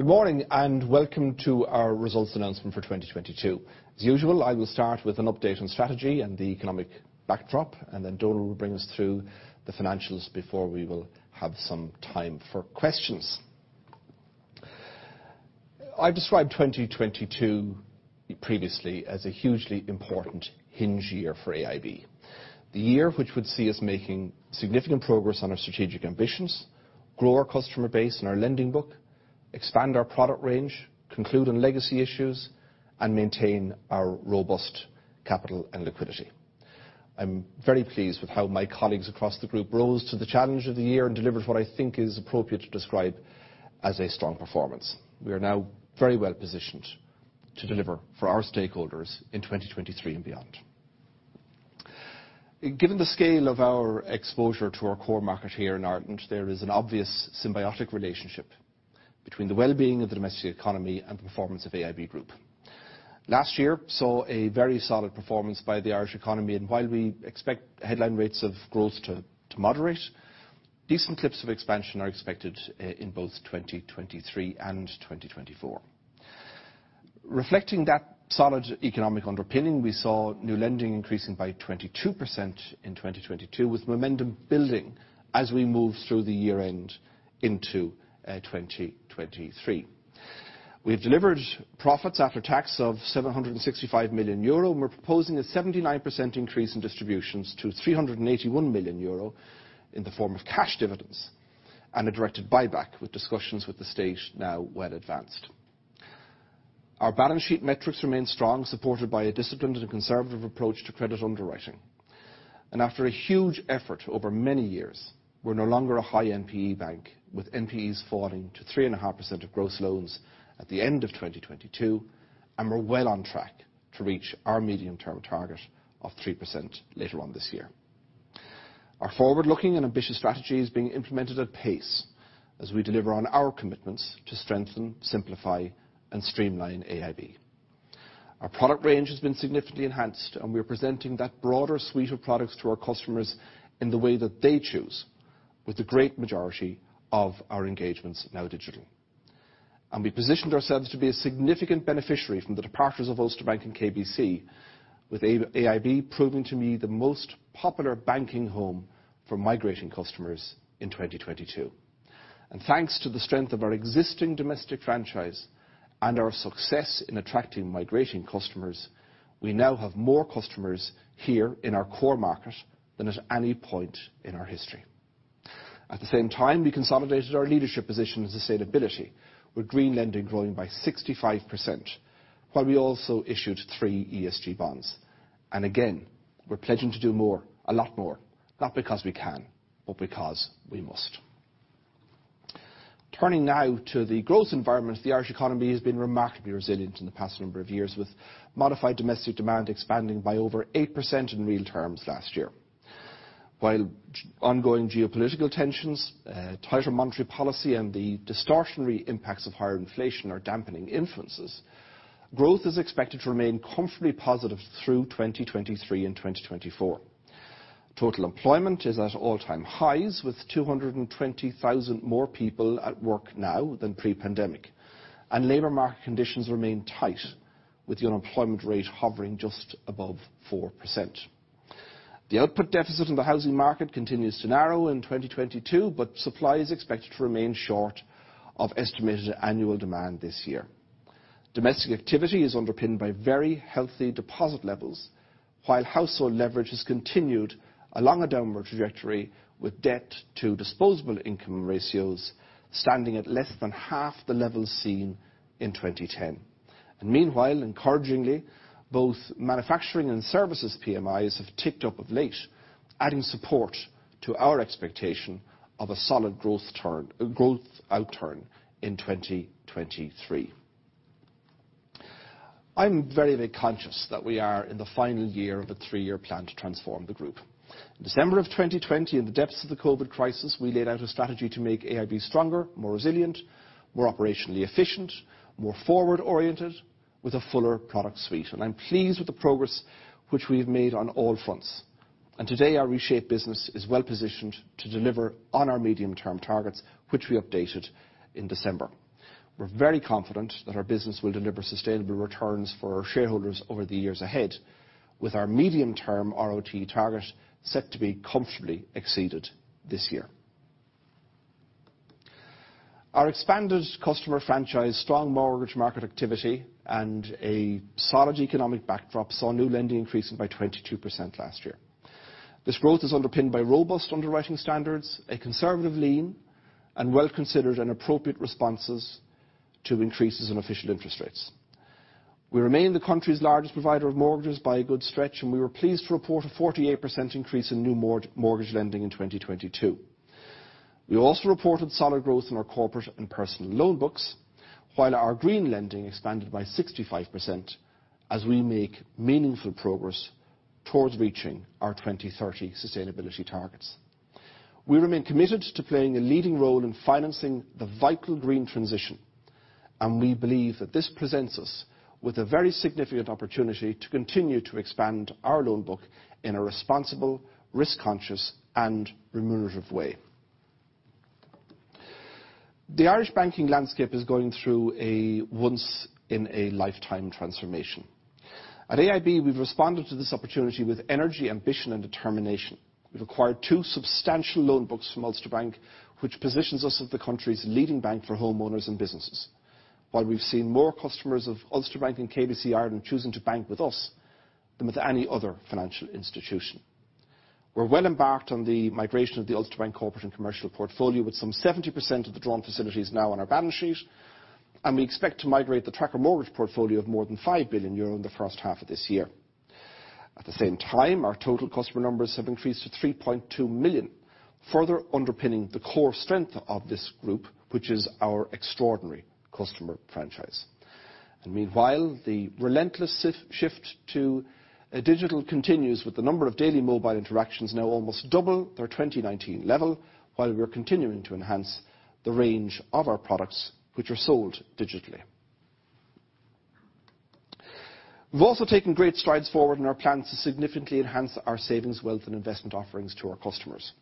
Good morning. Welcome to our results announcement for 2022. As usual, I will start with an update on strategy and the economic backdrop. Donal will bring us through the financials before we will have some time for questions. I described 2022 previously as a hugely important hinge year for AIB, the year which would see us making significant progress on our strategic ambitions, grow our customer base and our lending book, expand our product range, conclude on legacy issues, and maintain our robust capital and liquidity. I'm very pleased with how my colleagues across the group rose to the challenge of the year and delivered what I think is appropriate to describe as a strong performance. We are now very well-positioned to deliver for our stakeholders in 2023 and beyond. Given the scale of our exposure to our core market here in Ireland, there is an obvious symbiotic relationship between the well-being of the domestic economy and the performance of AIB Group. Last year saw a very solid performance by the Irish economy. While we expect headline rates of growth to moderate, decent clips of expansion are expected in both 2023 and 2024. Reflecting that solid economic underpinning, we saw new lending increasing by 22% in 2022, with momentum building as we move through the year-end into 2023. We've delivered profits after tax of 765 million euro, and we're proposing a 79% increase in distributions to 381 million euro in the form of cash dividends and a directed buyback, with discussions with the state now well advanced. Our balance sheet metrics remain strong, supported by a disciplined and conservative approach to credit underwriting. After a huge effort over many years, we're no longer a high NPE bank, with NPEs falling to 3.5% of gross loans at the end of 2022, and we're well on track to reach our medium-term target of 3% later on this year. Our forward-looking and ambitious strategy is being implemented at pace as we deliver on our commitments to strengthen, simplify, and streamline AIB. Our product range has been significantly enhanced, and we're presenting that broader suite of products to our customers in the way that they choose, with the great majority of our engagements now digital. We positioned ourselves to be a significant beneficiary from the departures of Ulster Bank and KBC, with AIB proving to be the most popular banking home for migrating customers in 2022. Thanks to the strength of our existing domestic franchise and our success in attracting migrating customers, we now have more customers here in our core market than at any point in our history. At the same time, we consolidated our leadership position in sustainability, with green lending growing by 65%, while we also issued 3 ESG bonds. Again, we're pledging to do more, a lot more, not because we can, but because we must. Turning now to the growth environment, the Irish economy has been remarkably resilient in the past number of years, with Modified Domestic Demand expanding by over 8% in real terms last year. Ongoing geopolitical tensions, tighter monetary policy, and the distortionary impacts of higher inflation are dampening influences, growth is expected to remain comfortably positive through 2023 and 2024. Total employment is at all-time highs, with 220,000 more people at work now than pre-pandemic. Labor market conditions remain tight, with the unemployment rate hovering just above 4%. The output deficit in the housing market continues to narrow in 2022. Supply is expected to remain short of estimated annual demand this year. Domestic activity is underpinned by very healthy deposit levels, while household leverage has continued along a downward trajectory, with debt-to-disposable income ratios standing at less than half the level seen in 2010. Meanwhile, encouragingly, both manufacturing and services PMIs have ticked up of late, adding support to our expectation of a solid growth turn, a growth outturn in 2023. I'm very conscious that we are in the final year of a three-year plan to transform the group. In December of 2020, in the depths of the COVID crisis, we laid out a strategy to make AIB stronger, more resilient, more operationally efficient, more forward-oriented, with a fuller product suite, and I'm pleased with the progress which we've made on all fronts. Today, our reshaped business is well-positioned to deliver on our medium-term targets, which we updated in December. We're very confident that our business will deliver sustainable returns for our shareholders over the years ahead, with our medium-term RoTE target set to be comfortably exceeded this year. Our expanded customer franchise, strong mortgage market activity, and a solid economic backdrop saw new lending increasing by 22% last year. This growth is underpinned by robust underwriting standards, a conservative lean, and well-considered and appropriate responses to increases in official interest rates. We remain the country's largest provider of mortgages by a good stretch. We were pleased to report a 48% increase in new mortgage lending in 2022. We also reported solid growth in our corporate and personal loan books, while our green lending expanded by 65% as we make meaningful progress towards reaching our 2030 sustainability targets. We remain committed to playing a leading role in financing the vital green transition. We believe that this presents us with a very significant opportunity to continue to expand our loan book in a responsible, risk-conscious, and remunerative way. The Irish banking landscape is going through a once in a lifetime transformation. At AIB, we've responded to this opportunity with energy, ambition, and determination. We've acquired two substantial loan books from Ulster Bank, which positions us as the country's leading bank for homeowners and businesses, while we've seen more customers of Ulster Bank and KBC Ireland choosing to bank with us than with any other financial institution. We're well embarked on the migration of the Ulster Bank corporate and commercial portfolio, with some 70% of the drawn facilities now on our balance sheet, and we expect to migrate the tracker mortgage portfolio of more than 5 billion euro in the first half of this year. At the same time, our total customer numbers have increased to 3.2 million, further underpinning the core strength of this group, which is our extraordinary customer franchise. Meanwhile, the relentless shift to digital continues, with the number of daily mobile interactions now almost double their 2019 level, while we are continuing to enhance the range of our products which are sold digitally. We've also taken great strides forward in our plans to significantly enhance our savings, wealth, and investment offerings to our customers.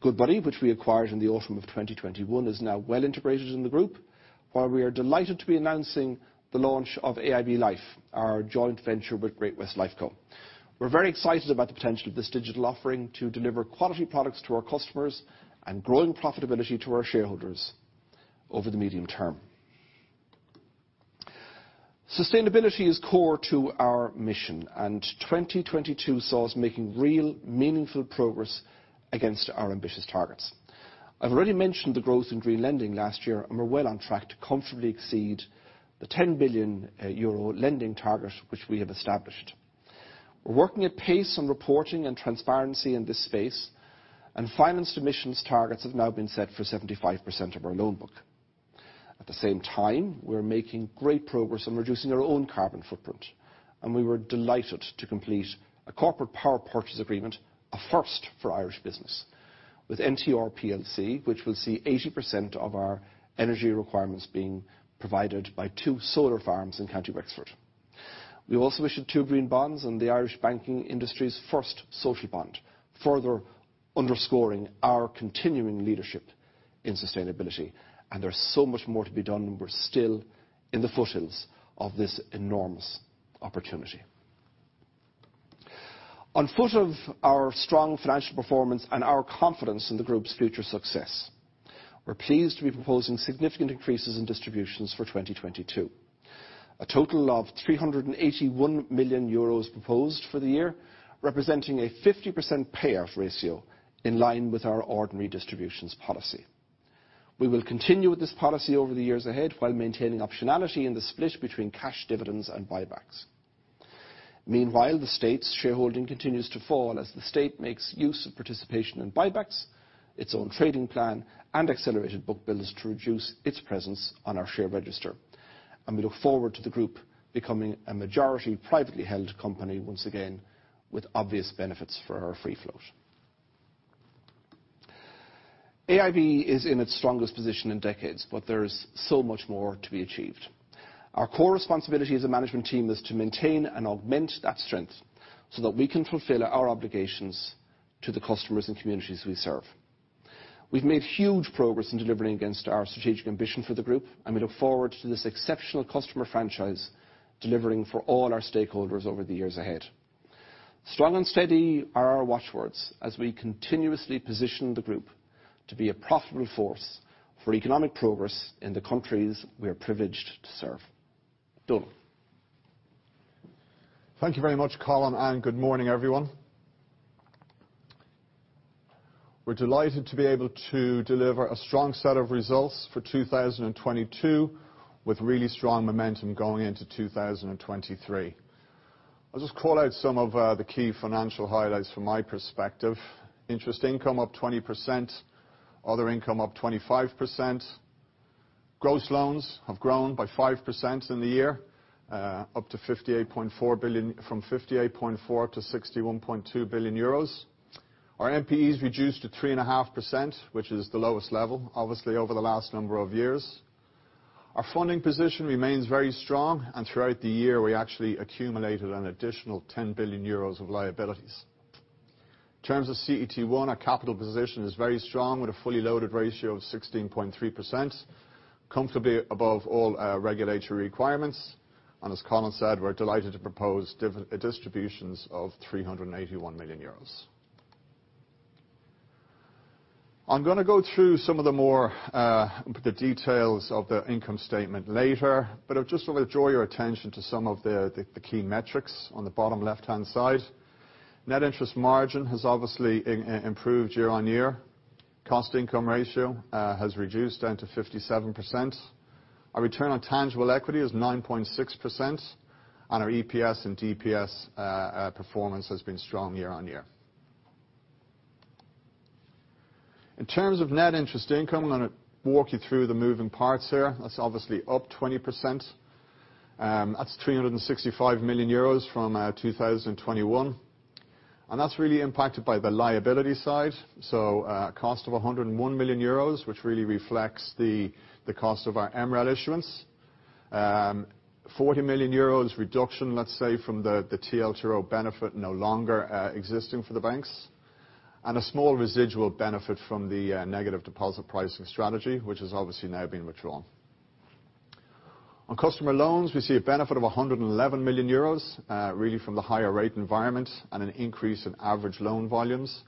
Goodbody, which we acquired in the autumn of 2021, is now well-integrated in the group, while we are delighted to be announcing the launch of AIB Life, our joint venture with Great-West Lifeco. We're very excited about the potential of this digital offering to deliver quality products to our customers and growing profitability to our shareholders over the medium term. Sustainability is core to our mission. 2022 saw us making real meaningful progress against our ambitious targets. I've already mentioned the growth in green lending last year, and we're well on track to comfortably exceed the 10 billion euro lending target which we have established. We're working at pace on reporting and transparency in this space, and financed emissions targets have now been set for 75% of our loan book. At the same time, we're making great progress on reducing our own carbon footprint, and we were delighted to complete a Corporate Power Purchase Agreement, a first for Irish business, with NTR plc, which will see 80% of our energy requirements being provided by two solar farms in County Wexford. We've also issued two green bonds and the Irish banking industry's first social bond, further underscoring our continuing leadership in sustainability. There's so much more to be done. We're still in the foothills of this enormous opportunity. On foot of our strong financial performance and our confidence in the group's future success, we're pleased to be proposing significant increases in distributions for 2022. A total of 381 million euros proposed for the year, representing a 50% payout ratio in line with our ordinary distributions policy. We will continue with this policy over the years ahead while maintaining optionality in the split between cash dividends and buybacks. Meanwhile, the state's shareholding continues to fall as the state makes use of participation and buybacks, its own trading plan, and accelerated book builders to reduce its presence on our share register. We look forward to the group becoming a majority privately held company once again, with obvious benefits for our free float. AIB is in its strongest position in decades, but there is so much more to be achieved. Our core responsibility as a management team is to maintain and augment that strength so that we can fulfill our obligations to the customers and communities we serve. We've made huge progress in delivering against our strategic ambition for the group, and we look forward to this exceptional customer franchise delivering for all our stakeholders over the years ahead. Strong and steady are our watch words as we continuously position the group to be a profitable force for economic progress in the countries we're privileged to serve. Donal. Thank you very much, Colin. Good morning, everyone. We're delighted to be able to deliver a strong set of results for 2022 with really strong momentum going into 2023. I'll just call out some of the key financial highlights from my perspective. Interest income up 20%, other income up 25%. Gross loans have grown by 5% in the year, up to 58.4 billion, from 58.4 billion to 61.2 billion euros. Our NPEs reduced to 3.5%, which is the lowest level, obviously, over the last number of years. Our funding position remains very strong. Throughout the year, we actually accumulated an additional 10 billion euros of liabilities. In terms of CET1, our capital position is very strong, with a fully loaded ratio of 16.3%, comfortably above all regulatory requirements. As Colin said, we're delighted to propose distributions of 381 million euros. I'm gonna go through some of the more details of the income statement later, but I just wanna draw your attention to some of the key metrics on the bottom left-hand side. Net interest margin has obviously improved year-on-year. Cost-income ratio has reduced down to 57%. Our return on tangible equity is 9.6%, and our EPS and DPS performance has been strong year-on-year. In terms of net interest income, I'm gonna walk you through the moving parts here. That's obviously up 20%. That's 365 million euros from 2021. That's really impacted by the liability side. Cost of 101 million euros, which really reflects the cost of our MREL issuance. 40 million euros reduction, let's say, from the TLTRO benefit no longer existing for the banks, and a small residual benefit from the negative deposit pricing strategy, which has obviously now been withdrawn. On customer loans, we see a benefit of 111 million euros really from the higher rate environment and an increase in average loan volumes,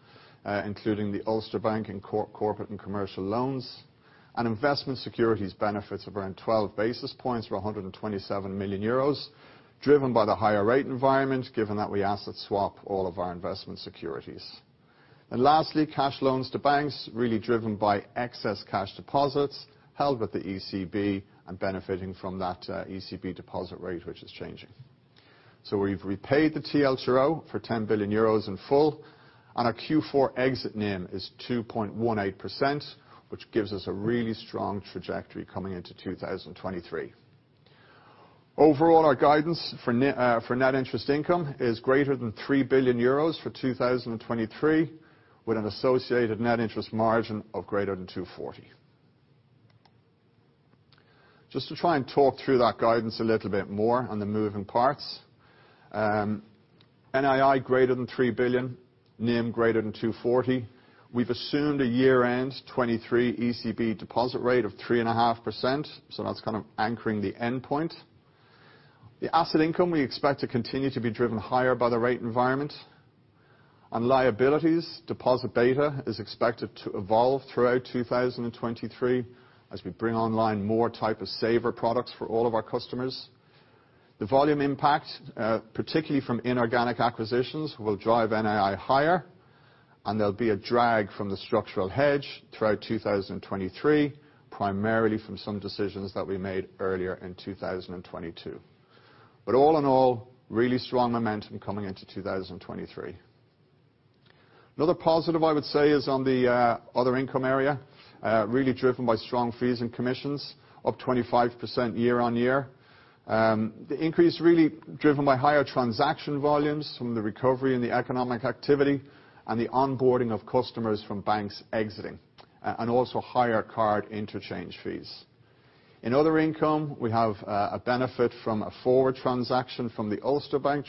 including the Ulster Bank and corporate and commercial loans. Investment securities benefits of around 12 basis points for 127 million euros, driven by the higher rate environment, given that we asset swap all of our investment securities. Lastly, cash loans to banks really driven by excess cash deposits held with the ECB and benefiting from that ECB deposit rate, which is changing. We've repaid the TLTRO for 10 billion euros in full, and our Q4 exit NIM is 2.18%, which gives us a really strong trajectory coming into 2023. Our guidance for net interest income is greater than 3 billion euros for 2023, with an associated net interest margin of greater than 2.40%. Just to try and talk through that guidance a little bit more on the moving parts. NII greater than 3 billion, NIM greater than 2.40%. We've assumed a year-end 2023 ECB deposit rate of 3.5%, that's kind of anchoring the endpoint. The asset income we expect to continue to be driven higher by the rate environment. On liabilities, deposit beta is expected to evolve throughout 2023 as we bring online more type of saver products for all of our customers. The volume impact, particularly from inorganic acquisitions, will drive NII higher, and there'll be a drag from the structural hedge throughout 2023, primarily from some decisions that we made earlier in 2022. All in all, really strong momentum coming into 2023. Another positive, I would say, is on the other income area, really driven by strong fees and commissions, up 25% year-on-year. The increase really driven by higher transaction volumes from the recovery in the economic activity and the onboarding of customers from banks exiting, and also higher card interchange fees. In other income, we have a benefit from a forward transaction from the Ulster Bank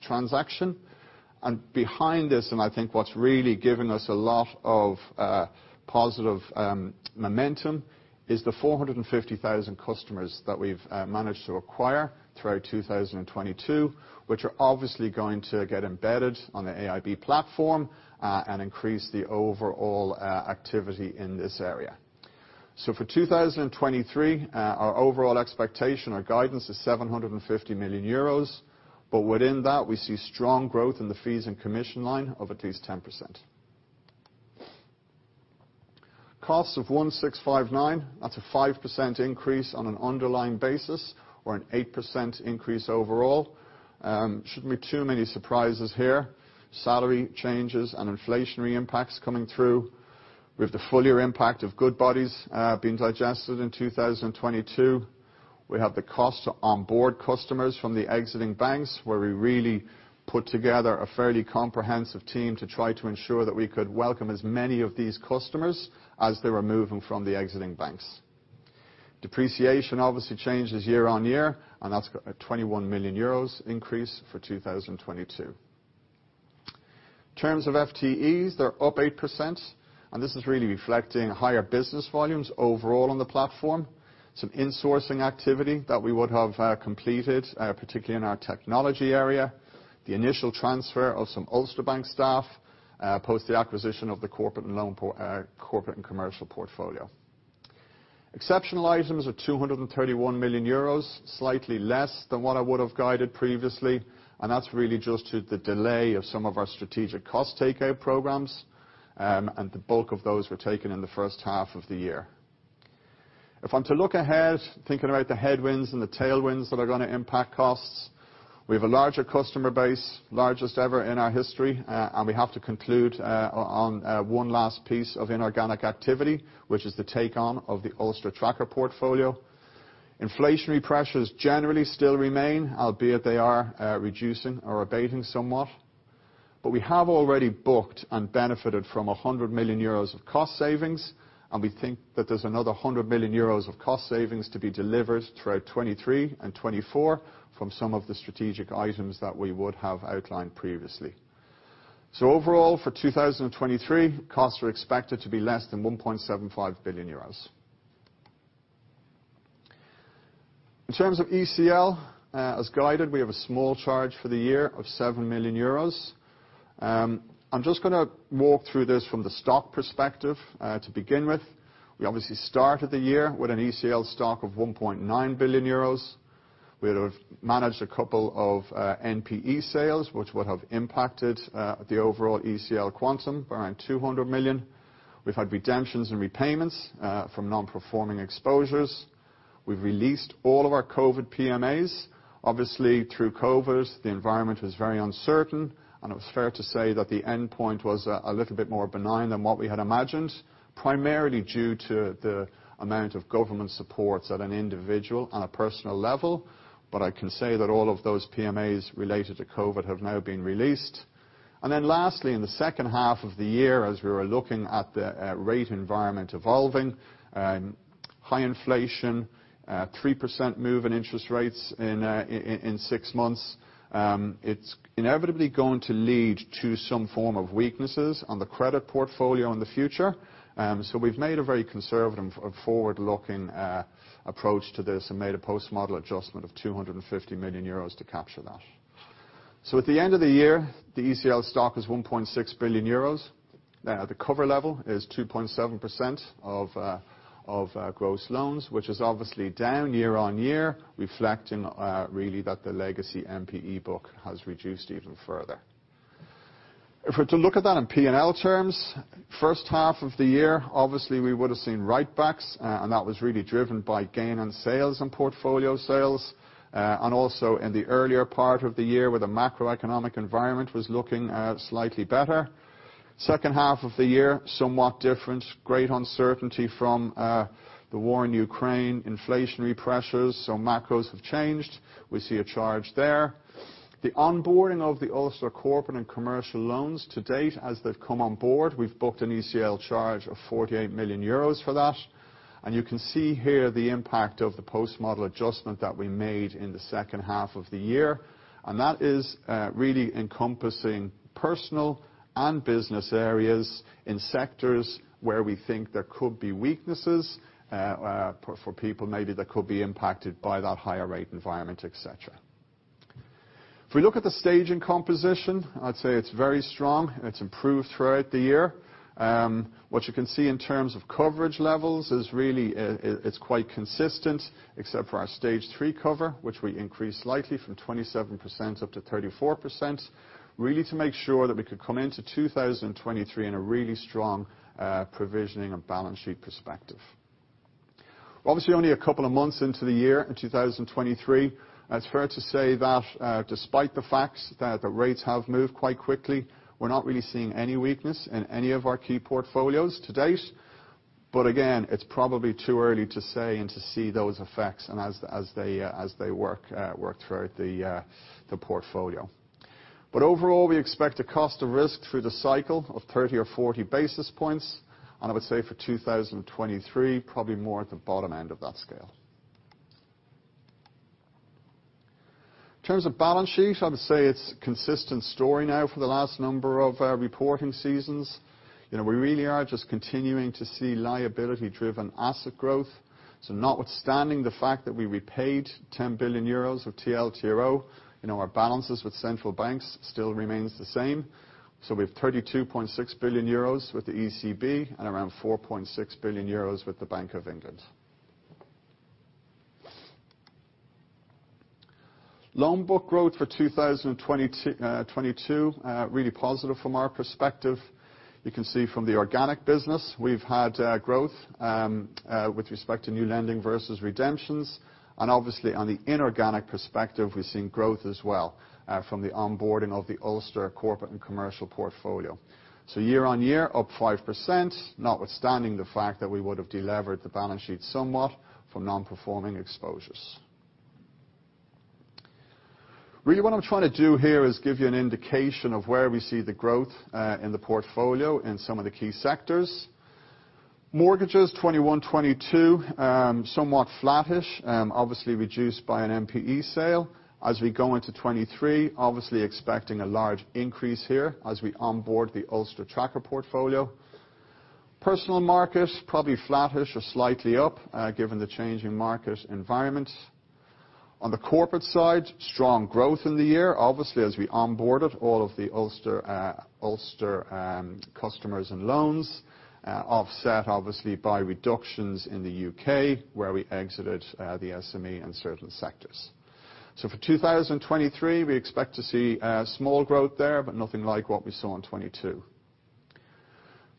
transaction. Behind this, and I think what's really given us a lot of positive momentum, is the 450,000 customers that we've managed to acquire throughout 2022, which are obviously going to get embedded on the AIB platform, and increase the overall activity in this area. For 2023, our overall expectation, our guidance is 750 million euros, but within that we see strong growth in the fees and commission line of at least 10%. Costs of 1,659, that's a 5% increase on an underlying basis or an 8% increase overall. Shouldn't be too many surprises here. Salary changes and inflationary impacts coming through. We have the full year impact of Goodbody's being digested in 2022. We have the cost to onboard customers from the exiting banks, where we really put together a fairly comprehensive team to try to ensure that we could welcome as many of these customers as they were moving from the exiting banks. Depreciation obviously changes year-on-year, that's got a 21 million euros increase for 2022. In terms of FTEs, they're up 8%. This is really reflecting higher business volumes overall on the platform, some insourcing activity that we would have completed particularly in our technology area, the initial transfer of some Ulster Bank staff post the acquisition of the corporate and commercial portfolio. Exceptional items are 231 million euros, slightly less than what I would have guided previously. That's really just due to the delay of some of our strategic cost takeout programs. The bulk of those were taken in the first half of the year. If I'm to look ahead, thinking about the headwinds and the tailwinds that are gonna impact costs, we have a larger customer base, largest ever in our history, and we have to conclude on one last piece of inorganic activity, which is the take-on of the Ulster tracker portfolio. Inflationary pressures generally still remain, albeit they are reducing or abating somewhat. We have already booked and benefited from 100 million euros of cost savings, and we think that there's another 100 million euros of cost savings to be delivered throughout 2023 and 2024 from some of the strategic items that we would have outlined previously. Overall, for 2023, costs are expected to be less than 1.75 billion euros. In terms of ECL, as guided, we have a small charge for the year of 7 million euros. I'm just gonna walk through this from the stock perspective, to begin with. We obviously started the year with an ECL stock of 1.9 billion euros. We'd have managed a couple of NPE sales, which would have impacted the overall ECL quantum by around 200 million. We've had redemptions and repayments from non-performing exposures. We've released all of our COVID PMAs. Obviously, through COVID, the environment was very uncertain, and it was fair to say that the endpoint was a little bit more benign than what we had imagined, primarily due to the amount of government supports at an individual on a personal level. I can say that all of those PMAs related to COVID have now been released. Lastly, in the second half of the year, as we were looking at the rate environment evolving, High inflation, 3% move in interest rates in six months. It's inevitably going to lead to some form of weaknesses on the credit portfolio in the future. We've made a very conservative forward looking approach to this and made a post-model adjustment of 250 million euros to capture that. At the end of the year, the ECL stock is 1.6 billion euros. The cover level is 2.7% of gross loans, which is obviously down year-on-year, reflecting really that the legacy NPE book has reduced even further. If we're to look at that in P&L terms, first half of the year, obviously we would have seen write-backs. That was really driven by gain on sales and portfolio sales. Also in the earlier part of the year where the macroeconomic environment was looking slightly better. Second half of the year, somewhat different. Great uncertainty from the war in Ukraine, inflationary pressures. Macros have changed. We see a charge there. The onboarding of the Ulster Corporate and Commercial loans to date, as they've come on board, we've booked an ECL charge of 48 million euros for that. You can see here the impact of the post-model adjustment that we made in the second half of the year. That is really encompassing personal and business areas in sectors where we think there could be weaknesses for people maybe that could be impacted by that higher rate environment, et cetera. If we look at the staging composition, I'd say it's very strong, and it's improved throughout the year. What you can see in terms of coverage levels is really quite consistent, except for our stage three cover, which we increased slightly from 27% up to 34%, really to make sure that we could come into 2023 in a really strong provisioning and balance sheet perspective. Obviously only a couple of months into the year, in 2023, it's fair to say that, despite the fact that the rates have moved quite quickly, we're not really seeing any weakness in any of our key portfolios to date. Again, it's probably too early to say and to see those effects and as they work throughout the portfolio. Overall we expect a cost of risk through the cycle of 30 or 40 basis points, and I would say for 2023, probably more at the bottom end of that scale. In terms of balance sheet, I would say it's a consistent story now for the last number of reporting seasons. You know, we really are just continuing to see liability-driven asset growth. Notwithstanding the fact that we repaid 10 billion euros of TLTRO, you know, our balances with central banks still remains the same. We've 32.6 billion euros with the ECB and around 4.6 billion euros with the Bank of England. Loan book growth for 2022 really positive from our perspective. You can see from the organic business we've had growth with respect to new lending versus redemptions. Obviously on the inorganic perspective, we've seen growth as well from the onboarding of the Ulster Corporate and Commercial portfolio. Year-on-year, up 5%, notwithstanding the fact that we would have delivered the balance sheet somewhat from Non-Performing Exposures. Really what I'm trying to do here is give you an indication of where we see the growth in the portfolio in some of the key sectors. Mortgages, 2021, 2022, somewhat flattish, obviously reduced by an NPE sale. As we go into 2023, obviously expecting a large increase here as we onboard the Ulster tracker portfolio. Personal markets, probably flattish or slightly up, given the changing market environment. On the corporate side, strong growth in the year, obviously, as we onboarded all of the Ulster customers and loans, offset obviously by reductions in the U.K., where we exited the SME and certain sectors. For 2023, we expect to see small growth there, but nothing like what we saw in 2022.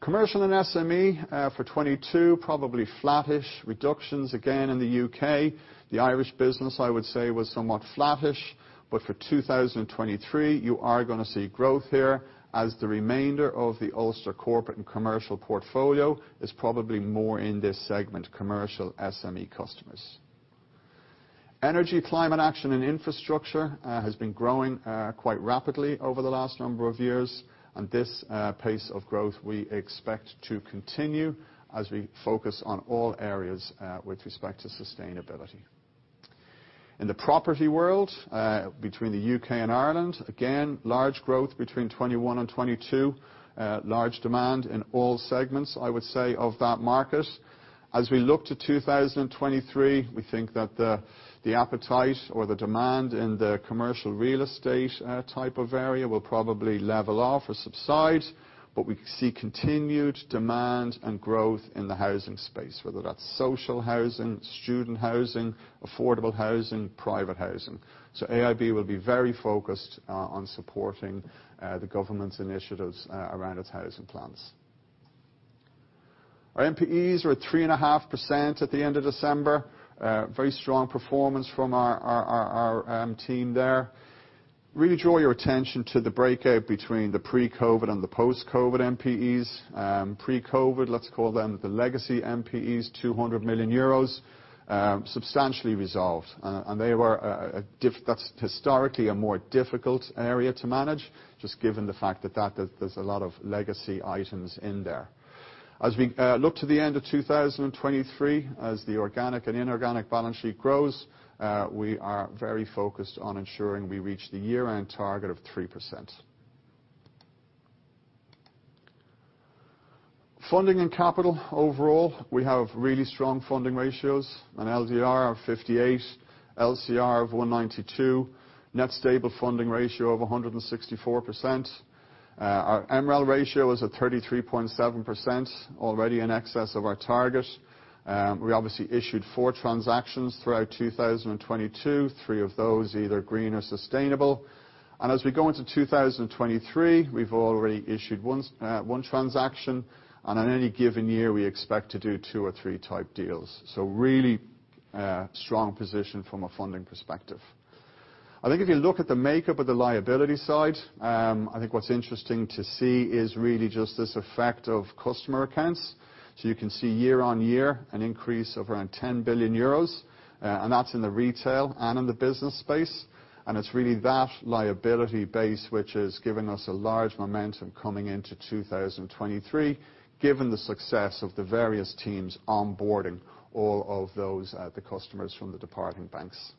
Commercial and SME, for 2022, probably flattish reductions again in the U.K. The Irish business, I would say, was somewhat flattish. For 2023, you are gonna see growth here as the remainder of the Ulster Corporate and Commercial portfolio is probably more in this segment, commercial SME customers. Energy, climate action, and infrastructure has been growing quite rapidly over the last number of years. This pace of growth we expect to continue as we focus on all areas with respect to sustainability. In the property world, between the U.K. and Ireland, again, large growth between 21 and 22. Large demand in all segments, I would say of that market. As we look to 2023, we think that the appetite or the demand in the commercial real estate type of area will probably level off or subside, We see continued demand and growth in the housing space, whether that's social housing, student housing, affordable housing, private housing. AIB will be very focused on supporting the government's initiatives around its housing plans. Our NPEs were at 3.5% at the end of December. Very strong performance from our team there. Really draw your attention to the breakout between the pre-COVID and the post-COVID NPEs. pre-COVID, let's call them the legacy NPEs, 200 million euros. Substantially resolved. They were historically a more difficult area to manage, just given the fact that there's a lot of legacy items in there. As we look to the end of 2023, as the organic and inorganic balance sheet grows, we are very focused on ensuring we reach the year-end target of 3%. Funding and capital overall, we have really strong funding ratios. An LDR of 58%, LCR of 192%, Net Stable Funding Ratio of 164%. Our MREL ratio is at 33.7%, already in excess of our target. We obviously issued four transactions throughout 2022, three of those either green or sustainable. As we go into 2023, we've already issued one transaction, and on any given year, we expect to do two or three type deals. Really, strong position from a funding perspective. I think if you look at the makeup of the liability side, I think what's interesting to see is really just this effect of customer accounts. You can see year-on-year an increase of around 10 billion euros, and that's in the retail and in the business space, and it's really that liability base which is giving us a large momentum coming into 2023, given the success of the various teams onboarding all of those, the customers from the departing banks.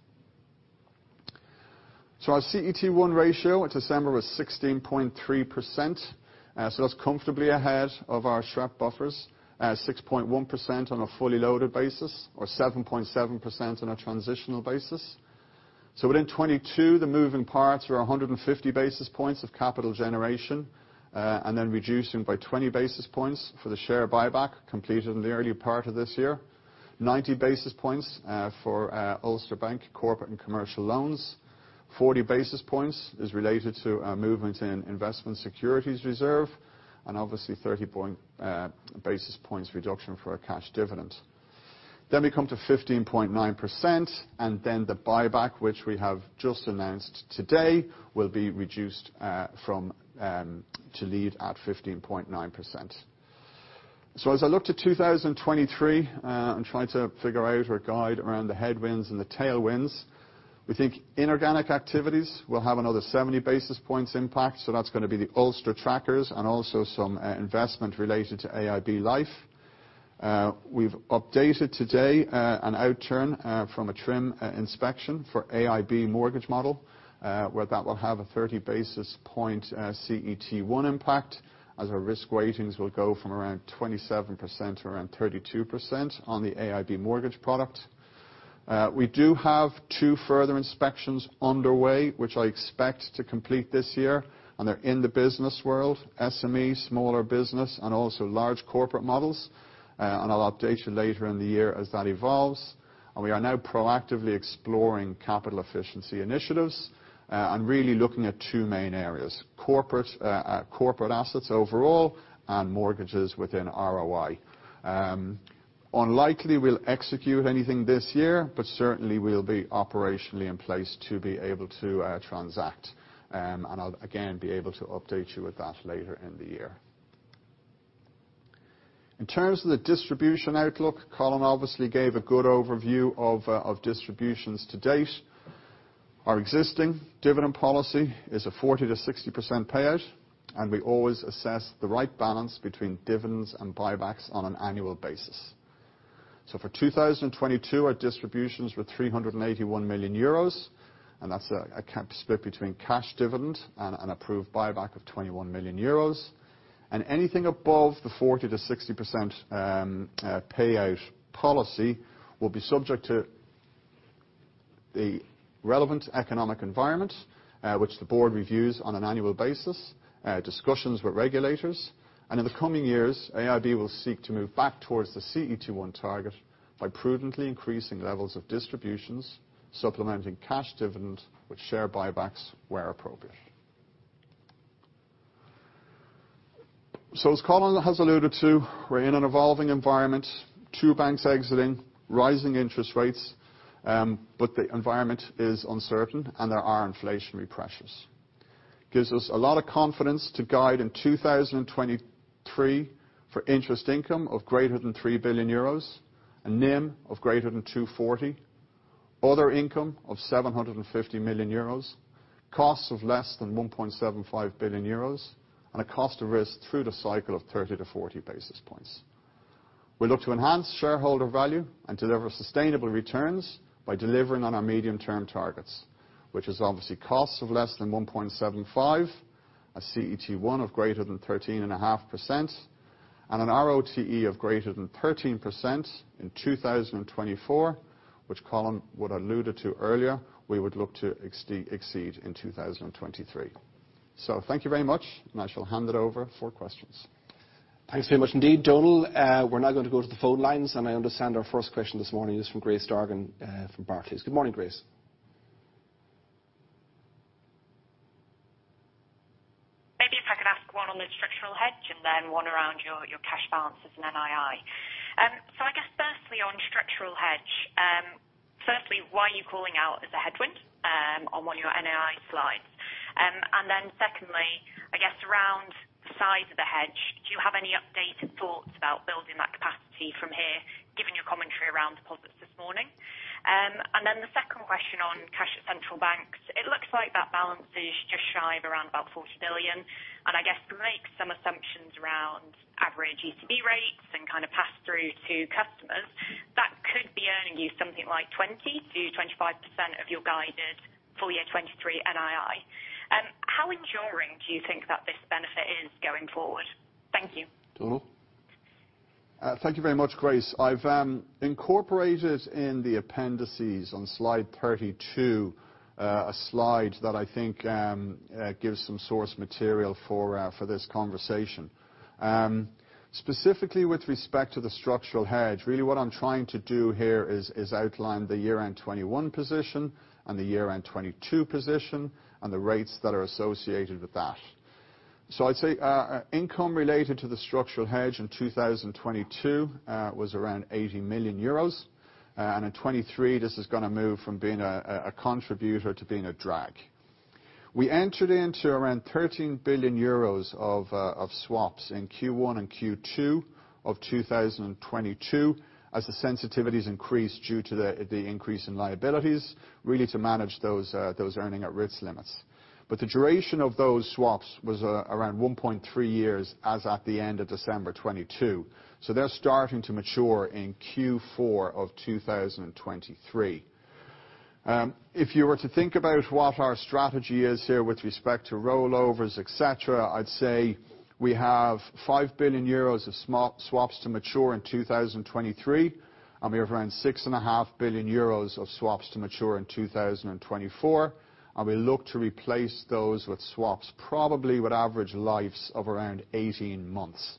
Our CET1 ratio in December was 16.3%. That's comfortably ahead of our SREP buffers at 6.1% on a fully loaded basis or 7.7% on a transitional basis. Within 2022, the moving parts were 150 basis points of capital generation, and then reducing by 20 basis points for the share buyback completed in the earlier part of this year. 90 basis points for Ulster Bank corporate and commercial loans. 40 basis points is related to a movement in investment securities reserve, and obviously 30 basis points reduction for our cash dividend. We come to 15.9%, and then the buyback which we have just announced today will be reduced from to leave at 15.9%. As I look to 2023, and try to figure out or guide around the headwinds and the tailwinds, we think inorganic activities will have another 70 basis points impact, that's gonna be the Ulster trackers and also some investment related to AIB Life. We've updated today an outturn from a TRIM inspection for AIB mortgage model, where that will have a 30 basis point CET1 impact, as our risk weightings will go from around 27% to around 32% on the AIB mortgage product. We do have two further inspections underway which I expect to complete this year, and they're in the business world, SME, smaller business, and also large corporate models. I'll update you later in the year as that evolves. We are now proactively exploring capital efficiency initiatives, and really looking at two main areas: corporate assets overall and mortgages within ROI. Unlikely we'll execute anything this year, but certainly we'll be operationally in place to be able to transact. I'll again be able to update you with that later in the year. In terms of the distribution outlook, Colin obviously gave a good overview of distributions to date. Our existing dividend policy is a 40%-60% payout, and we always assess the right balance between dividends and buybacks on an annual basis. For 2022, our distributions were 381 million euros, and that's a split between cash dividend and an approved buyback of 21 million euros. Anything above the 40%-60% payout policy will be subject to the relevant economic environment, which the board reviews on an annual basis, discussions with regulators, and in the coming years, AIB will seek to move back towards the CET1 target by prudently increasing levels of distributions, supplementing cash dividend with share buybacks where appropriate. As Colin has alluded to, we're in an evolving environment. two banks exiting, rising interest rates, but the environment is uncertain and there are inflationary pressures. Gives us a lot of confidence to guide in 2023 for interest income of greater than 3 billion euros and NIM of greater than 240, other income of 750 million euros, costs of less than 1.75 billion euros, and a cost of risk through the cycle of 30-40 basis points. We look to enhance shareholder value and deliver sustainable returns by delivering on our medium-term targets, which is obviously costs of less than 1.75 billion, a CET1 of greater than 13.5%, and a RoTE of greater than 13% in 2024, which Colin alluded to earlier, we would look to exceed in 2023. Thank you very much, and I shall hand it over for questions. Thanks very much indeed, Donal. We're now going to go to the phone lines. I understand our first question this morning is from Grace Dargan from Barclays. Good morning, Grace. Maybe if I could ask one on the structural hedge and then one around your cash balances and NII. Firstly, on structural hedge, why are you calling out as a headwind on one of your NII slides? Then secondly, I guess around the size of the hedge, do you have any updated thoughts about building that capacity from here, given your commentary around deposits this morning? Then the second question on cash at central banks. It looks like that balance is just shy of around about 40 billion. I guess to make some assumptions around average ECB rates and kind of pass through to customers, that could be earning you something like 20%-25% of your guided full year 2023 NII. How enduring do you think that this benefit is going forward? Thank you. Donal? Thank you very much, Grace. I've incorporated in the appendices on slide 32, a slide that I think gives some source material for this conversation. Specifically with respect to the structural hedge, really what I'm trying to do here is outline the year-end 2021 position and the year-end 2022 position, and the rates that are associated with that. I'd say income related to the structural hedge in 2022, was around 80 million euros. In 2023, this is gonna move from being a contributor to being a drag. We entered into around 13 billion euros of swaps in Q1 and Q2 of 2022, as the sensitivities increased due to the increase in liabilities, really to manage those earning at-risk limits. The duration of those swaps was around 1.3 years, as at the end of December 2022. They're starting to mature in Q4 of 2023. If you were to think about what our strategy is here with respect to rollovers, et cetera, I'd say we have 5 billion euros of swaps to mature in 2023, and we have around 6.5 billion euros of swaps to mature in 2024, and we look to replace those with swaps probably with average lives of around 18 months.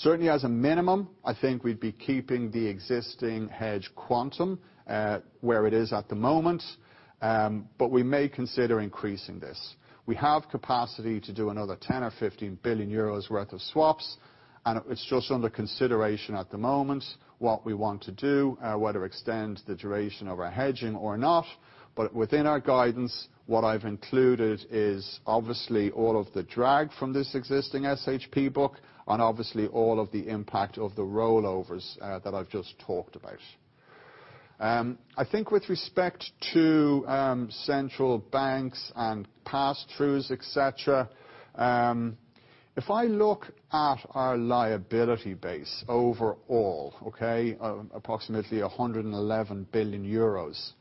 Certainly as a minimum, I think we'd be keeping the existing hedge quantum where it is at the moment, but we may consider increasing this. We have capacity to do another 10 billion or 15 billion euros worth of swaps, and it's just under consideration at the moment what we want to do, whether extend the duration of our hedging or not. Within our guidance, what I've included is obviously all of the drag from this existing SHP book and obviously all of the impact of the rollovers that I've just talked about. I think with respect to central banks and passthroughs, et cetera, if I look at our liability base overall, okay, approximately 111 billion euros,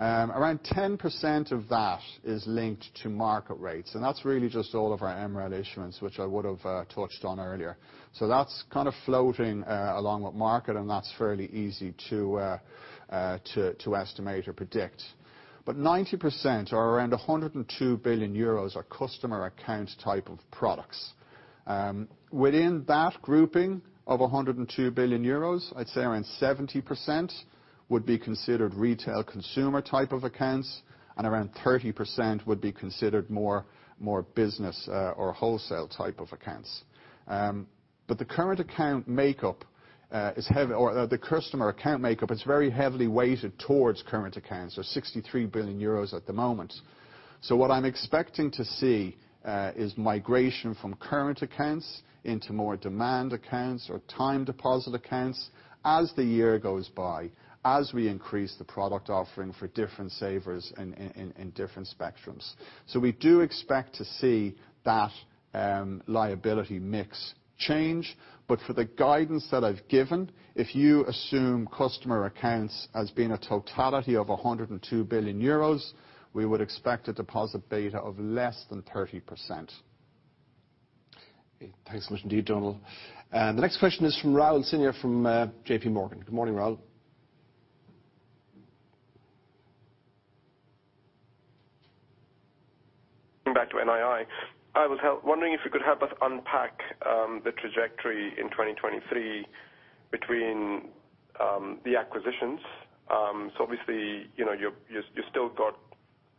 around 10% of that is linked to market rates, and that's really just all of our MREL issuance, which I would have touched on earlier. That's kind of floating along with market, and that's fairly easy to estimate or predict. 90% or around 102 billion euros are customer account type of products. Within that grouping of 102 billion euros, I'd say around 70% would be considered retail consumer type of accounts, and around 30% would be considered more, more business, or wholesale type of accounts. The current account makeup, or the customer account makeup is very heavily weighted towards current accounts, so 63 billion euros at the moment. What I'm expecting to see is migration from current accounts into more demand accounts or time deposit accounts as the year goes by, as we increase the product offering for different savers in different spectrums. We do expect to see that liability mix change. For the guidance that I've given, if you assume customer accounts as being a totality of 102 billion euros, we would expect a deposit beta of less than 30%. Thanks so much indeed, Donal. The next question is from Rahul Sinha from JPMorgan. Good morning, Rahul. Back to NII. I was wondering if you could help us unpack the trajectory in 2023 between the acquisitions. Obviously, you know, you still got,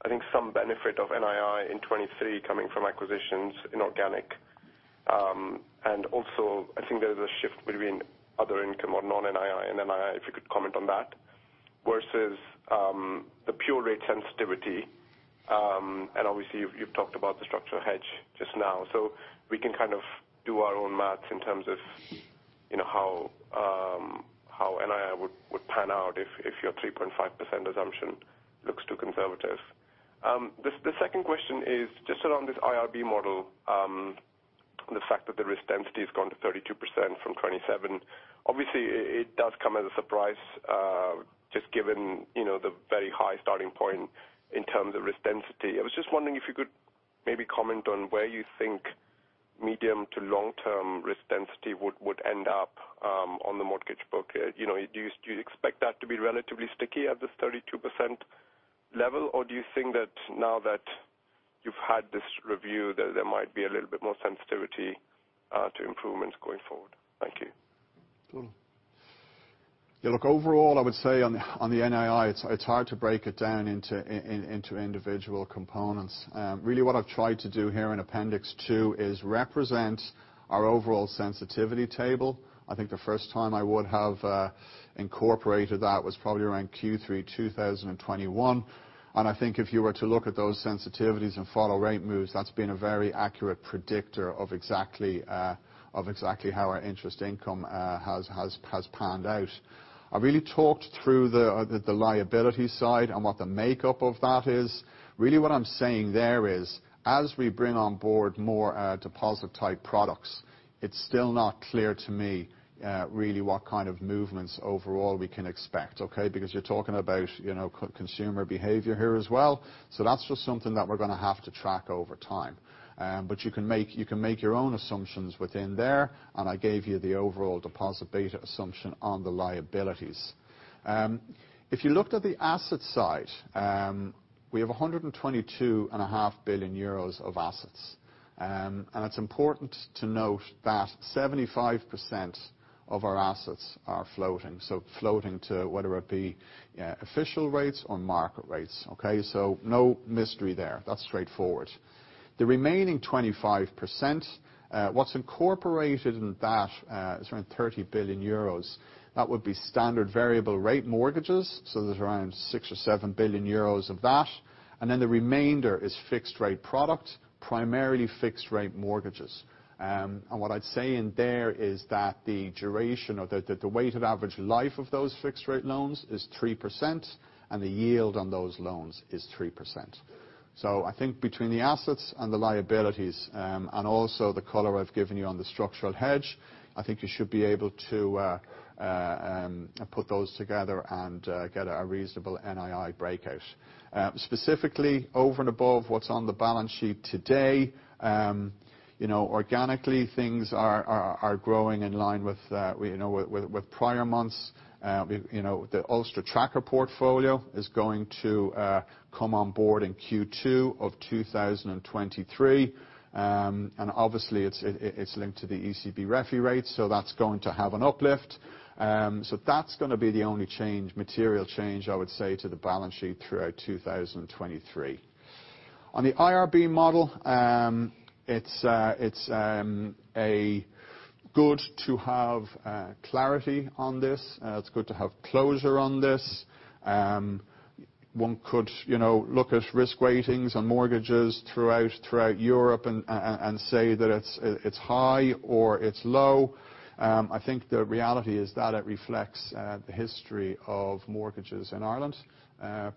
I think, some benefit of NII in 2023 coming from acquisitions inorganic. Also, I think there's a shift between other income or non-NII and NII, if you could comment on that. Versus the pure rate sensitivity, and obviously you've talked about the structural hedge just now. We can kind of do our own math in terms of, you know, how NII would pan out if your 3.5% assumption looks too conservative. The second question is just around this IRB model, the fact that the risk density has gone to 32% from 27%. Obviously, it does come as a surprise, just given, you know, the very high starting point in terms of risk density. I was just wondering if you could maybe comment on where you think medium to long-term risk density would end up on the mortgage book. You know, do you expect that to be relatively sticky at this 32% level, or do you think that now that you've had this review, there might be a little bit more sensitivity to improvements going forward? Thank you. Sure. Yeah, look, overall, I would say on the NII, it's hard to break it down into individual components. Really what I've tried to do here in Appendix 2 is represent our overall sensitivity table. I think the first time I would have incorporated that was probably around Q3 2021. I think if you were to look at those sensitivities and follow rate moves, that's been a very accurate predictor of exactly how our interest income has panned out. I really talked through the liability side and what the makeup of that is. Really what I'm saying there is as we bring on board more deposit type products, it's still not clear to me really what kind of movements overall we can expect, okay? You're talking about, you know, consumer behavior here as well. That's just something that we're going to have to track over time. You can make your own assumptions within there, and I gave you the overall deposit beta assumption on the liabilities. If you looked at the asset side, we have 122.5 billion euros of assets. And it's important to note that 75% of our assets are floating, so floating to whether it be official rates or market rates. Okay? No mystery there. That's straightforward. The remaining 25%, what's incorporated in that, is around 30 billion euros. That would be standard variable rate mortgages, there's around 6 billion-7 billion euros of that. The remainder is fixed rate product, primarily fixed rate mortgages. What I'd say in there is that the duration or the weighted average life of those fixed rate loans is 3%, and the yield on those loans is 3%. I think between the assets and the liabilities, and also the color I've given you on the structural hedge, I think you should be able to put those together and get a reasonable NII breakout. Specifically over and above what's on the balance sheet today, you know, organically things are growing in line with, you know, with prior months. You know, the Ulster Tracker portfolio is going to come on board in Q2 of 2023. Obviously it's linked to the ECB refi rates, that's going to have an uplift. That's gonna be the only change, material change I would say to the balance sheet throughout 2023. On the IRB model, it's a good to have clarity on this. It's good to have closure on this. One could, you know, look at risk weightings and mortgages throughout Europe and say that it's high or it's low. I think the reality is that it reflects the history of mortgages in Ireland,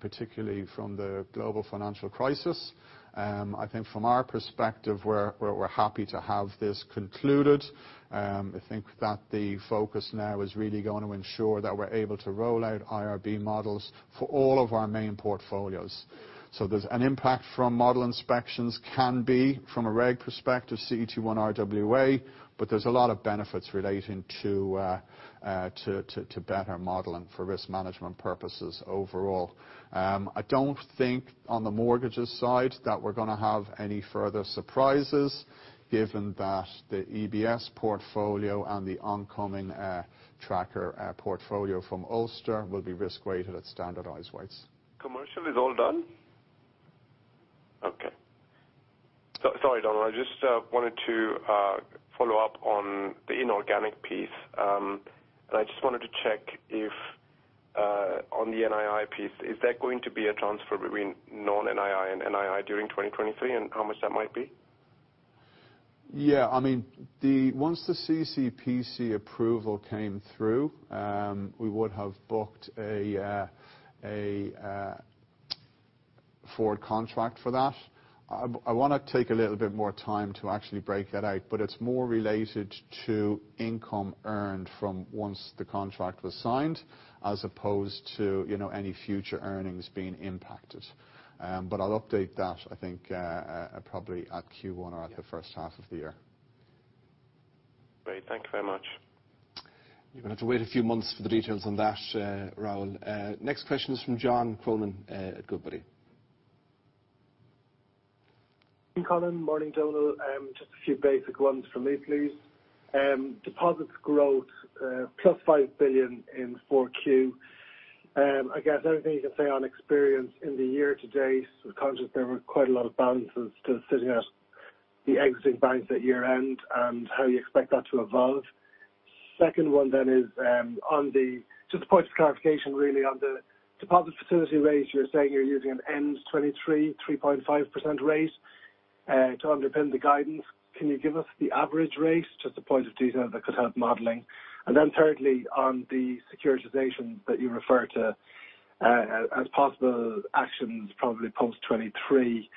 particularly from the global financial crisis. I think from our perspective, we're happy to have this concluded. I think that the focus now is really going to ensure that we're able to roll out IRB models for all of our main portfolios. There's an impact from model inspections can be from a reg perspective, CET1 RWA, but there's a lot of benefits relating to better modeling for risk management purposes overall. I don't think on the mortgages side that we're gonna have any further surprises given that the EBS portfolio and the oncoming tracker portfolio from Ulster will be risk-weighted at standardized weights. Commercial is all done? Okay. Sorry, Donal, I just wanted to follow up on the inorganic piece. I just wanted to check if on the NII piece, is there going to be a transfer between non-NII and NII during 2023, and how much that might be? Yeah. I mean, once the CCPC approval came through, we would have booked a forward contract for that. I wanna take a little bit more time to actually break that out, but it's more related to income earned from once the contract was signed, as opposed to, you know, any future earnings being impacted. I'll update that, I think, probably at Q1 or at the first half of the year. Great. Thank you very much. You're gonna have to wait a few months for the details on that, Rahul. Next question is from John Cronin, at Goodbody. Morning, Donal. Just a few basic ones from me, please. Deposits growth, plus 5 billion in 4Q. I guess anything you can say on experience in the year to date, conscious there were quite a lot of balances still sitting at the exiting banks at year-end. How you expect that to evolve. Second one is, just a point of clarification really. On the deposit facility rates, you're saying you're using an EMH 23, 3.5% rate to underpin the guidance. Can you give us the average rate? Just a point of detail that could help modeling. Thirdly, on the securitization that you referred to, as possible actions probably post 2023,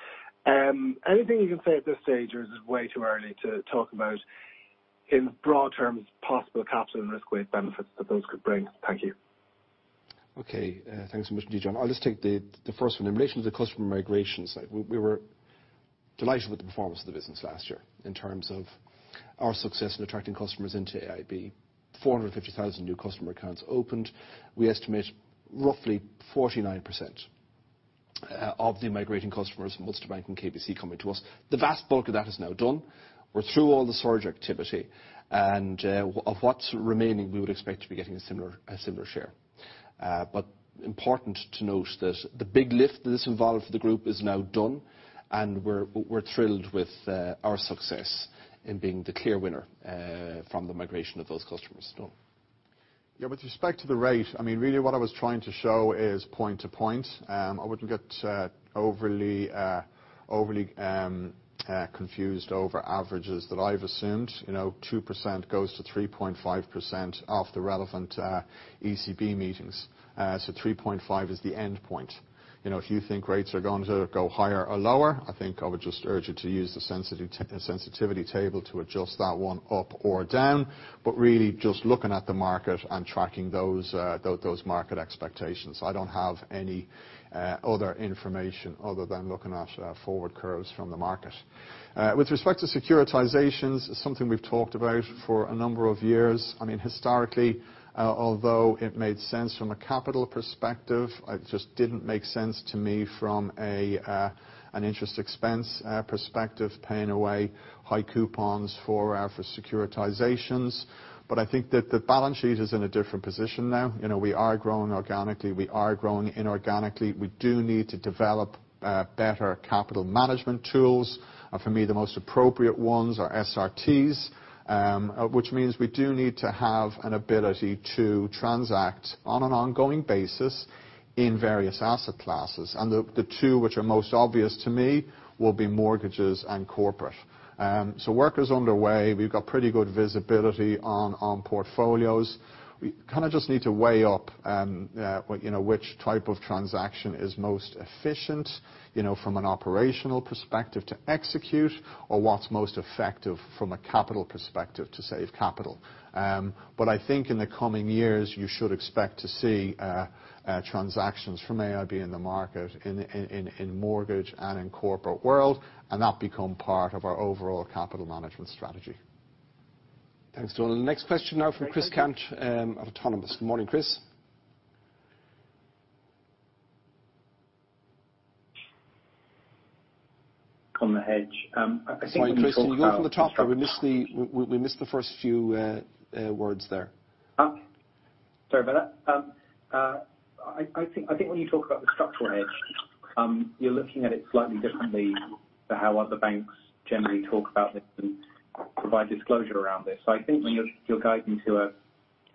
anything you can say at this stage, or is it way too early to talk about in broad terms possible capital and risk weight benefits that those could bring? Thank you. Okay. Thanks so much indeed, John. I'll just take the first one. In relation to the customer migration side, we were delighted with the performance of the business last year in terms of our success in attracting customers into AIB. 450,000 new customer accounts opened. We estimate roughly 49% of the migrating customers from Ulster Bank and KBC coming to us. The vast bulk of that is now done. We're through all the surge activity, and of what's remaining, we would expect to be getting a similar share. Important to note that the big lift that this involved for the group is now done, and we're thrilled with our success in being the clear winner from the migration of those customers. Donal. With respect to the rate, I mean, really what I was trying to show is point to point. I wouldn't get overly confused over averages that I've assumed. You know, 2% goes to 3.5% off the relevant ECB meetings. So 3.5% is the endpoint. You know, if you think rates are going to go higher or lower, I think I would just urge you to use the sensitivity table to adjust that one up or down. Really just looking at the market and tracking those market expectations. I don't have any other information other than looking at forward curves from the market. With respect to securitizations, something we've talked about for a number of years. I mean, historically, although it made sense from a capital perspective, it just didn't make sense to me from an interest expense perspective, paying away high coupons for securitizations. I think that the balance sheet is in a different position now. You know, we are growing organically, we are growing inorganically. We do need to develop better capital management tools. For me, the most appropriate ones are SRTs. Which means we do need to have an ability to transact on an ongoing basis in various asset classes. The two which are most obvious to me will be mortgages and corporate. Work is underway. We've got pretty good visibility on portfolios. We kind of just need to weigh up, you know, which type of transaction is most efficient, you know, from an operational perspective to execute, or what's most effective from a capital perspective to save capital. I think in the coming years, you should expect to see transactions from AIB in the market in mortgage and in corporate world. That become part of our overall capital management strategy. Thanks, Donal. Next question now from Chris Cant at Autonomous. Good morning, Chris. On the hedge. Sorry, Chris. Can you go from the top? We missed the first few words there. Sorry about that. I think when you talk about the structural hedge, you're looking at it slightly differently to how other banks generally talk about this and provide disclosure around this. I think when you're guiding to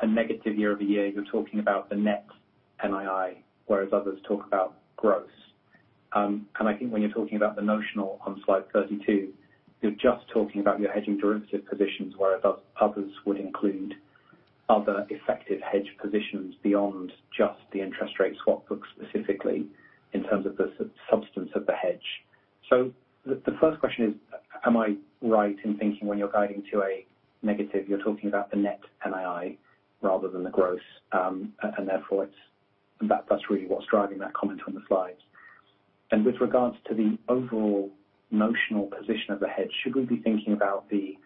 a negative year-over-year, you're talking about the net NII, whereas others talk about growth. I think when you're talking about the notional on slide 32, you're just talking about your hedging derivative positions, whereas others would include other effective hedge positions beyond just the interest rate swap book, specifically in terms of the substance of the hedge. The first question is, am I right in thinking when you're guiding to a negative, you're talking about the net NII rather than the gross? Therefore that's really what's driving that comment on the slides. With regards to the overall notional position of the hedge, should we be thinking about the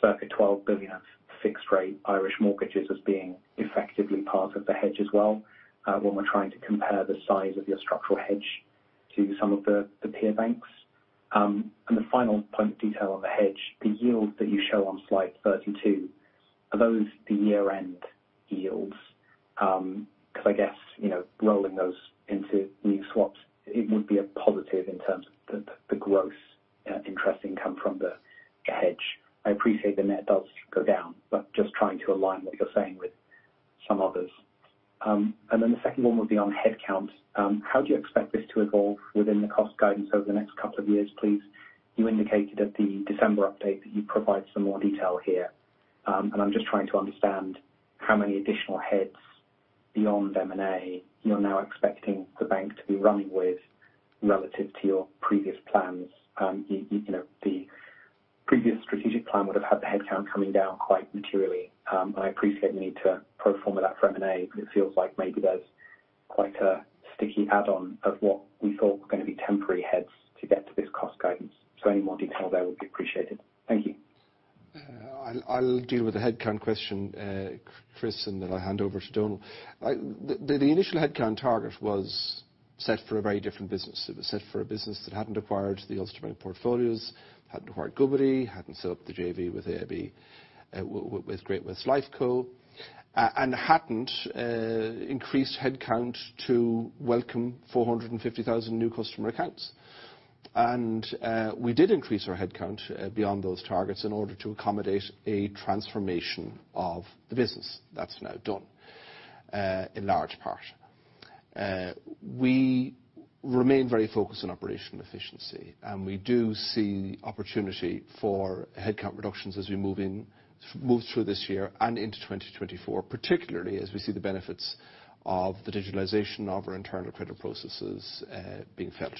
circa 12 billion fixed rate Irish mortgages as being effectively part of the hedge as well, when we're trying to compare the size of your structural hedge to some of the peer banks? The final point of detail on the hedge, the yield that you show on slide 32, are those the year-end yields? Because I guess, you know, rolling those into new swaps, it would be a positive in terms of the gross interest income from the hedge. I appreciate the net does go down, but just trying to align what you're saying with some others. The second one would be on headcount. How do you expect this to evolve within the cost guidance over the next couple of years, please? You indicated at the December update that you'd provide some more detail here. I'm just trying to understand how many additional heads beyond M&A you're now expecting the bank to be running with relative to your previous plans. You know, the previous strategic plan would have had the headcount coming down quite materially. I appreciate the need to pro forma that for M&A, but it feels like maybe there's quite a sticky add-on of what we thought were gonna be temporary heads to get to this cost guidance. Any more detail there would be appreciated. Thank you. I'll deal with the headcount question, Chris, and then I'll hand over to Donal. The initial headcount target was set for a very different business. It was set for a business that hadn't acquired the Ulster Bank portfolios, hadn't acquired Goodbody, hadn't set up the JV with AIB, with Great-West Lifeco, and hadn't increased headcount to welcome 450,000 new customer accounts. We did increase our headcount beyond those targets in order to accommodate a transformation of the business. That's now done in large part. We remain very focused on operational efficiency, and we do see opportunity for headcount reductions as we move in, move through this year and into 2024, particularly as we see the benefits of the digitalization of our internal credit processes being felt.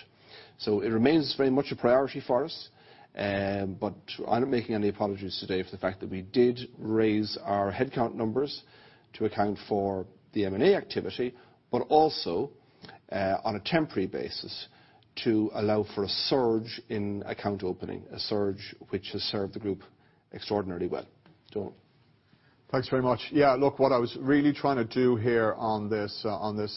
It remains very much a priority for us. I'm not making any apologies today for the fact that we did raise our headcount numbers to account for the M&A activity, but also, on a temporary basis, to allow for a surge in account opening. A surge which has served the group extraordinarily well. Donal. Thanks very much. What I was really trying to do here on this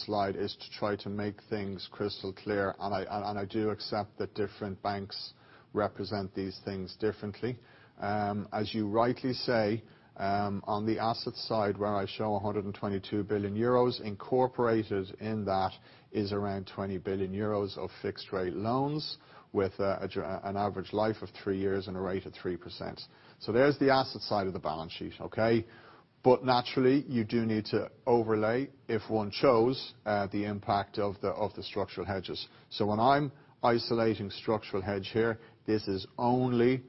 slide is to try to make things crystal clear, and I do accept that different banks represent these things differently. As you rightly say, on the asset side, where I show 122 billion euros, incorporated in that is around 20 billion euros of fixed rate loans with an average life of three years and a rate of 3%. There's the asset side of the balance sheet. Okay? Naturally, you do need to overlay if one chose the impact of the structural hedges. When I'm isolating structural hedge here, this is only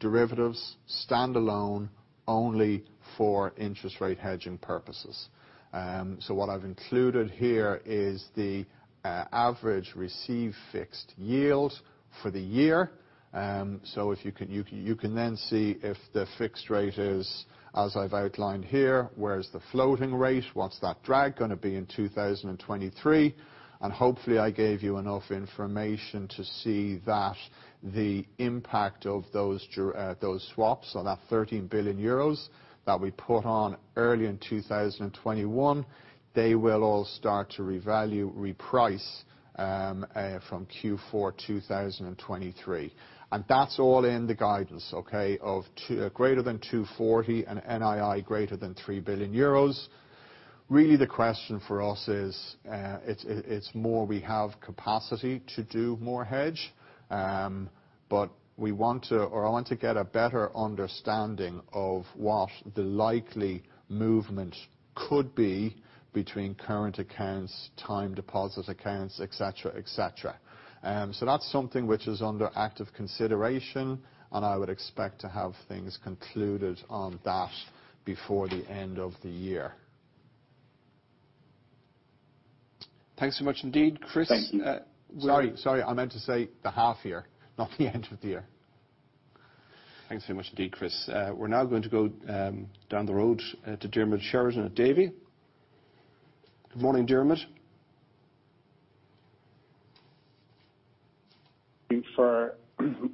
derivatives standalone only for interest rate hedging purposes. What I've included here is the average received fixed yield for the year. If you can then see if the fixed rate is, as I've outlined here, where is the floating rate, what's that drag gonna be in 2023? Hopefully I gave you enough information to see that the impact of those swaps on that 13 billion euros that we put on early in 2021, they will all start to revalue, reprice from Q4 2023. That's all in the guidance, okay, of greater than 240 and NII greater than 3 billion euros. Really, the question for us is, it's more we have capacity to do more hedge. We want to, or I want to get a better understanding of what the likely movement could be between current accounts, time deposit accounts, et cetera, et cetera. That's something which is under active consideration, and I would expect to have things concluded on that before the end of the year. Thanks so much indeed, Chris. Sorry. Sorry, I meant to say the half year, not the end of the year. Thanks so much indeed, Chris. We're now going to go down the road to Diarmuid Sheridan at Davy. Good morning, Diarmuid. Thank you for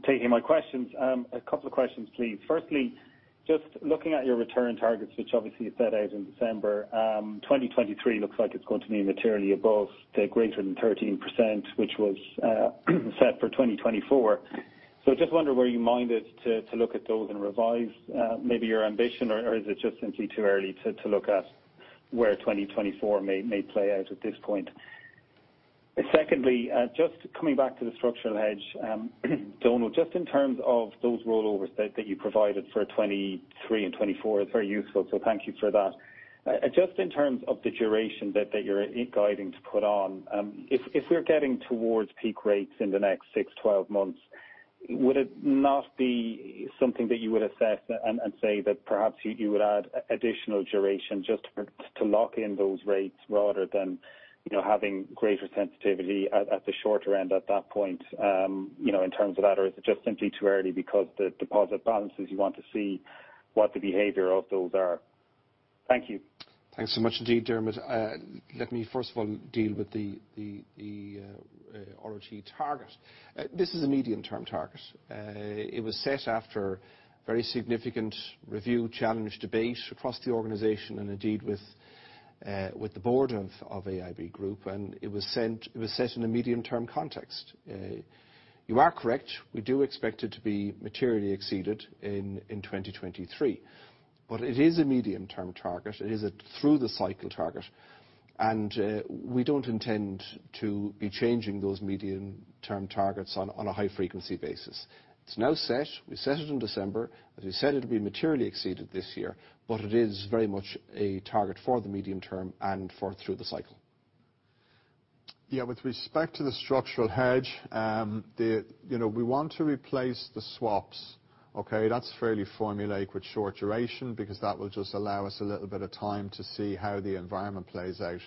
taking my questions. A couple of questions, please. Firstly, just looking at your return targets, which obviously you set out in December, 2023 looks like it's going to be materially above the greater than 13%, which was set for 2024. I just wonder were you minded to look at those and revise maybe your ambition, or is it just simply too early to look at where 2024 may play out at this point? Secondly, just coming back to the structural hedge, Donal, just in terms of those rollovers that you provided for 2023 and 2024, it's very useful, so thank you for that. Just in terms of the duration that you're guiding to put on, if we're getting towards peak rates in the next six, 12 months, would it not be something that you would assess and say that perhaps you would add additional duration to lock in those rates rather than, you know, having greater sensitivity at the shorter end at that point, you know, in terms of that? Or is it just simply too early because the deposit balances, you want to see what the behavior of those are? Thank you. Thanks so much indeed, Diarmuid. Let me first of all deal with the ROTE target. This is a medium-term target. It was set after very significant review, challenge, debate across the organization and indeed with the board of AIB Group, and it was set in a medium-term context. You are correct. We do expect it to be materially exceeded in 2023. It is a medium-term target, it is a through-the-cycle target, and we don't intend to be changing those medium term targets on a high-frequency basis. It's now set. We set it in December. As we said, it'll be materially exceeded this year, but it is very much a target for the medium term and for through the cycle. With respect to the structural hedge, you know, we want to replace the swaps, okay. That's fairly formulaic with short duration because that will just allow us a little bit of time to see how the environment plays out.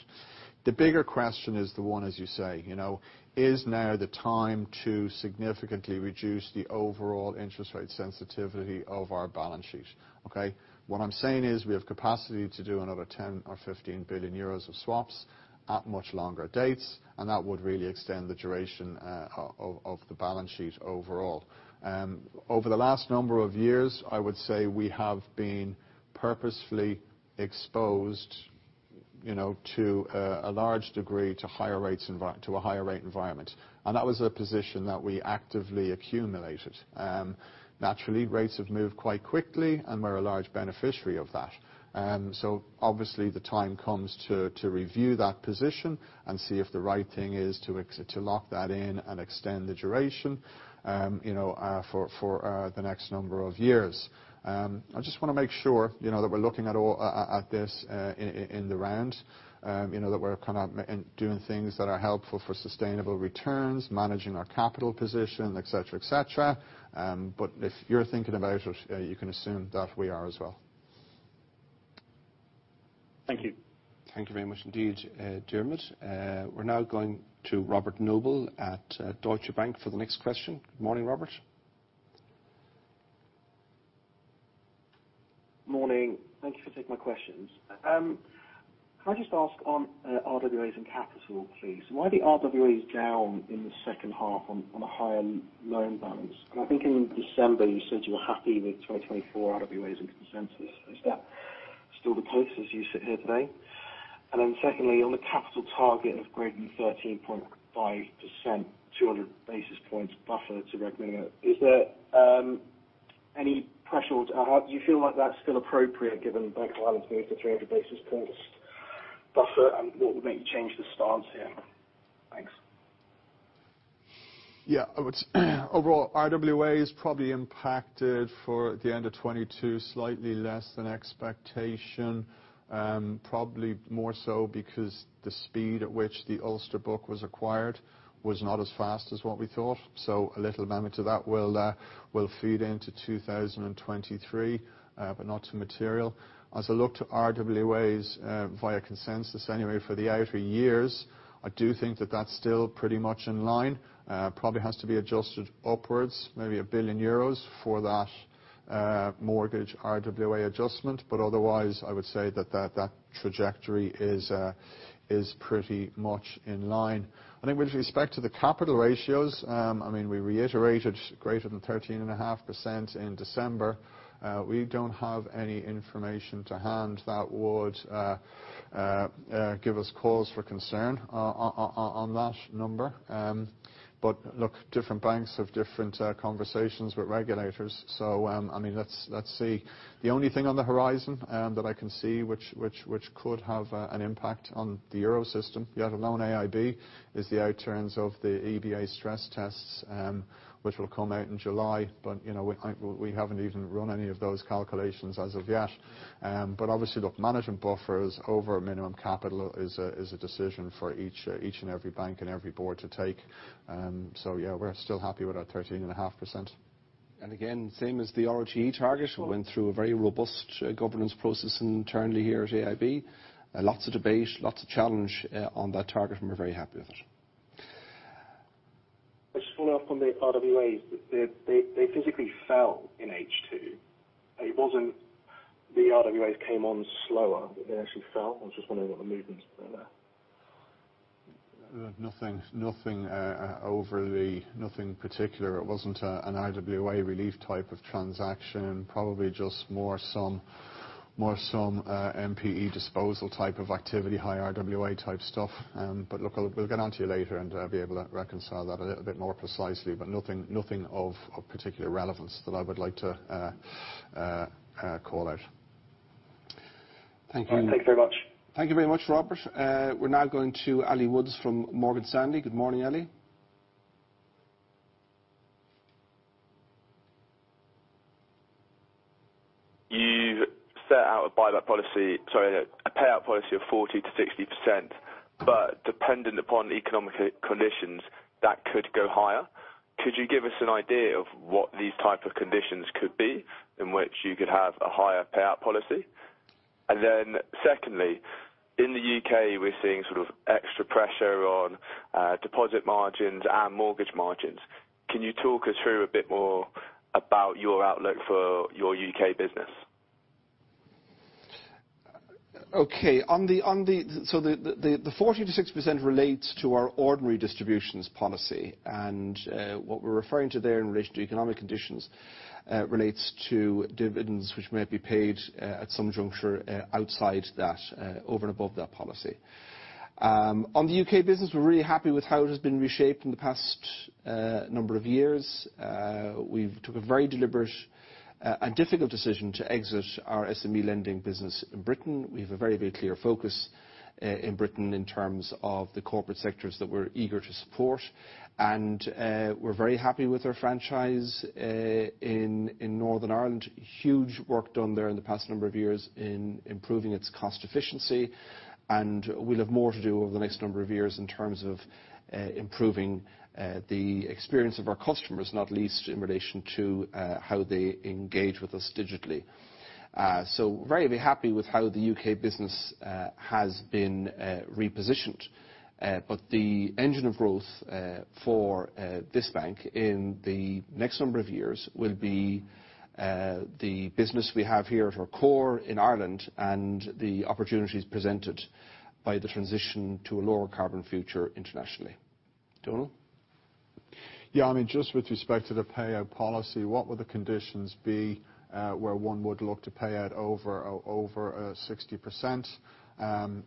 The bigger question is the one, as you say, you know, is now the time to significantly reduce the overall interest rate sensitivity of our balance sheet, okay. What I'm saying is we have capacity to do another 10 billion or 15 billion euros of swaps at much longer dates, and that would really extend the duration of the balance sheet overall. Over the last number of years, I would say we have been purposefully exposed, you know, to a large degree to higher rates to a higher rate environment. That was a position that we actively accumulated. Naturally rates have moved quite quickly, and we're a large beneficiary of that. Obviously the time comes to review that position and see if the right thing is to lock that in and extend the duration, you know, for the next number of years. I just wanna make sure, you know, that we're looking at all, at this, in the round, you know, that we're kind of doing things that are helpful for sustainable returns, managing our capital position, et cetera, et cetera. If you're thinking about it, you can assume that we are as well. Thank you. Thank you very much indeed, Diarmuid. We're now going to Robert Noble at Deutsche Bank for the next question. Good morning, Robert. Morning. Thank you for taking my questions. Can I just ask on RWAs and capital, please. Why are the RWAs down in the second half on a higher loan balance? I think in December you said you were happy with 2024 RWAs and consensus. Is that still the case as you sit here today? Secondly, on the capital target of greater than 13.5%, 200 basis points buffer, is there any pressure or how do you feel like that's still appropriate given Bank of Ireland's moving to 300 basis points buffer, and what would make you change the stance here? Thanks. I would overall, RWAs probably impacted for the end of 2022, slightly less than expectation. Probably more so because the speed at which the Ulster book was acquired was not as fast as what we thought. A little moment to that will feed into 2023, but not to material. As I look to RWAs, via consensus anyway for the outer years, I do think that's still pretty much in line. Probably has to be adjusted upwards, maybe 1 billion euros for that mortgage RWA adjustment. Otherwise, I would say that trajectory is pretty much in line. With respect to the capital ratios, I mean, we reiterated greater than 13.5% in December. We don't have any information to hand that would give us cause for concern on that number. Look, different banks have different conversations with regulators. I mean, let's see. The only thing on the horizon that I can see which could have an impact on the Eurosystem, let alone AIB, is the out turns of the EBA stress tests, which will come out in July. You know, we haven't even run any of those calculations as of yet. Obviously look, management buffers over minimum capital is a decision for each and every bank and every board to take. Yeah, we're still happy with our 13.5%. Same as the ROTE target. We went through a very robust governance process internally here at AIB. Lots of debate, lots of challenge on that target, and we're very happy with it. I just follow up on the RWAs. They physically fell in H2. It wasn't the RWAs came on slower, but they actually fell. I was just wondering what the movements were there. Nothing, nothing overly, nothing particular. It wasn't an RWA relief type of transaction. Probably just more some NPE disposal type of activity, high RWA type stuff. Look, we'll get onto you later, and I'll be able to reconcile that a little bit more precisely, but nothing of particular relevance that I would like to call out. Thank you. All right. Thank you very much. Thank you very much, Robert. We're now going to Ali Woods from Morgan Stanley. Good morning, Ali. You set out a payout policy of 40%-60%, dependent upon economic conditions, that could go higher. Could you give us an idea of what these type of conditions could be in which you could have a higher payout policy? Secondly, in the U.K., we're seeing sort of extra pressure on deposit margins and mortgage margins. Can you talk us through a bit more about your outlook for your U.K. business? Okay. The 40%-60% relates to our ordinary distributions policy. What we're referring to there in relation to economic conditions relates to dividends which may be paid at some juncture outside that over and above that policy. On the U.K. business, we're really happy with how it has been reshaped in the past number of years. We've took a very deliberate and difficult decision to exit our SME lending business in Britain. We have a very, very clear focus in Britain in terms of the corporate sectors that we're eager to support. We're very happy with our franchise in Northern Ireland. Huge work done there in the past number of years in improving its cost efficiency. We'll have more to do over the next number of years in terms of improving the experience of our customers, not least in relation to how they engage with us digitally. Very happy with how the U.K. business has been repositioned. The engine of growth for this bank in the next number of years will be the business we have here at our core in Ireland and the opportunities presented by the transition to a lower carbon future internationally. Donal. Yeah, I mean, just with respect to the payout policy, what would the conditions be, where one would look to pay out over 60%?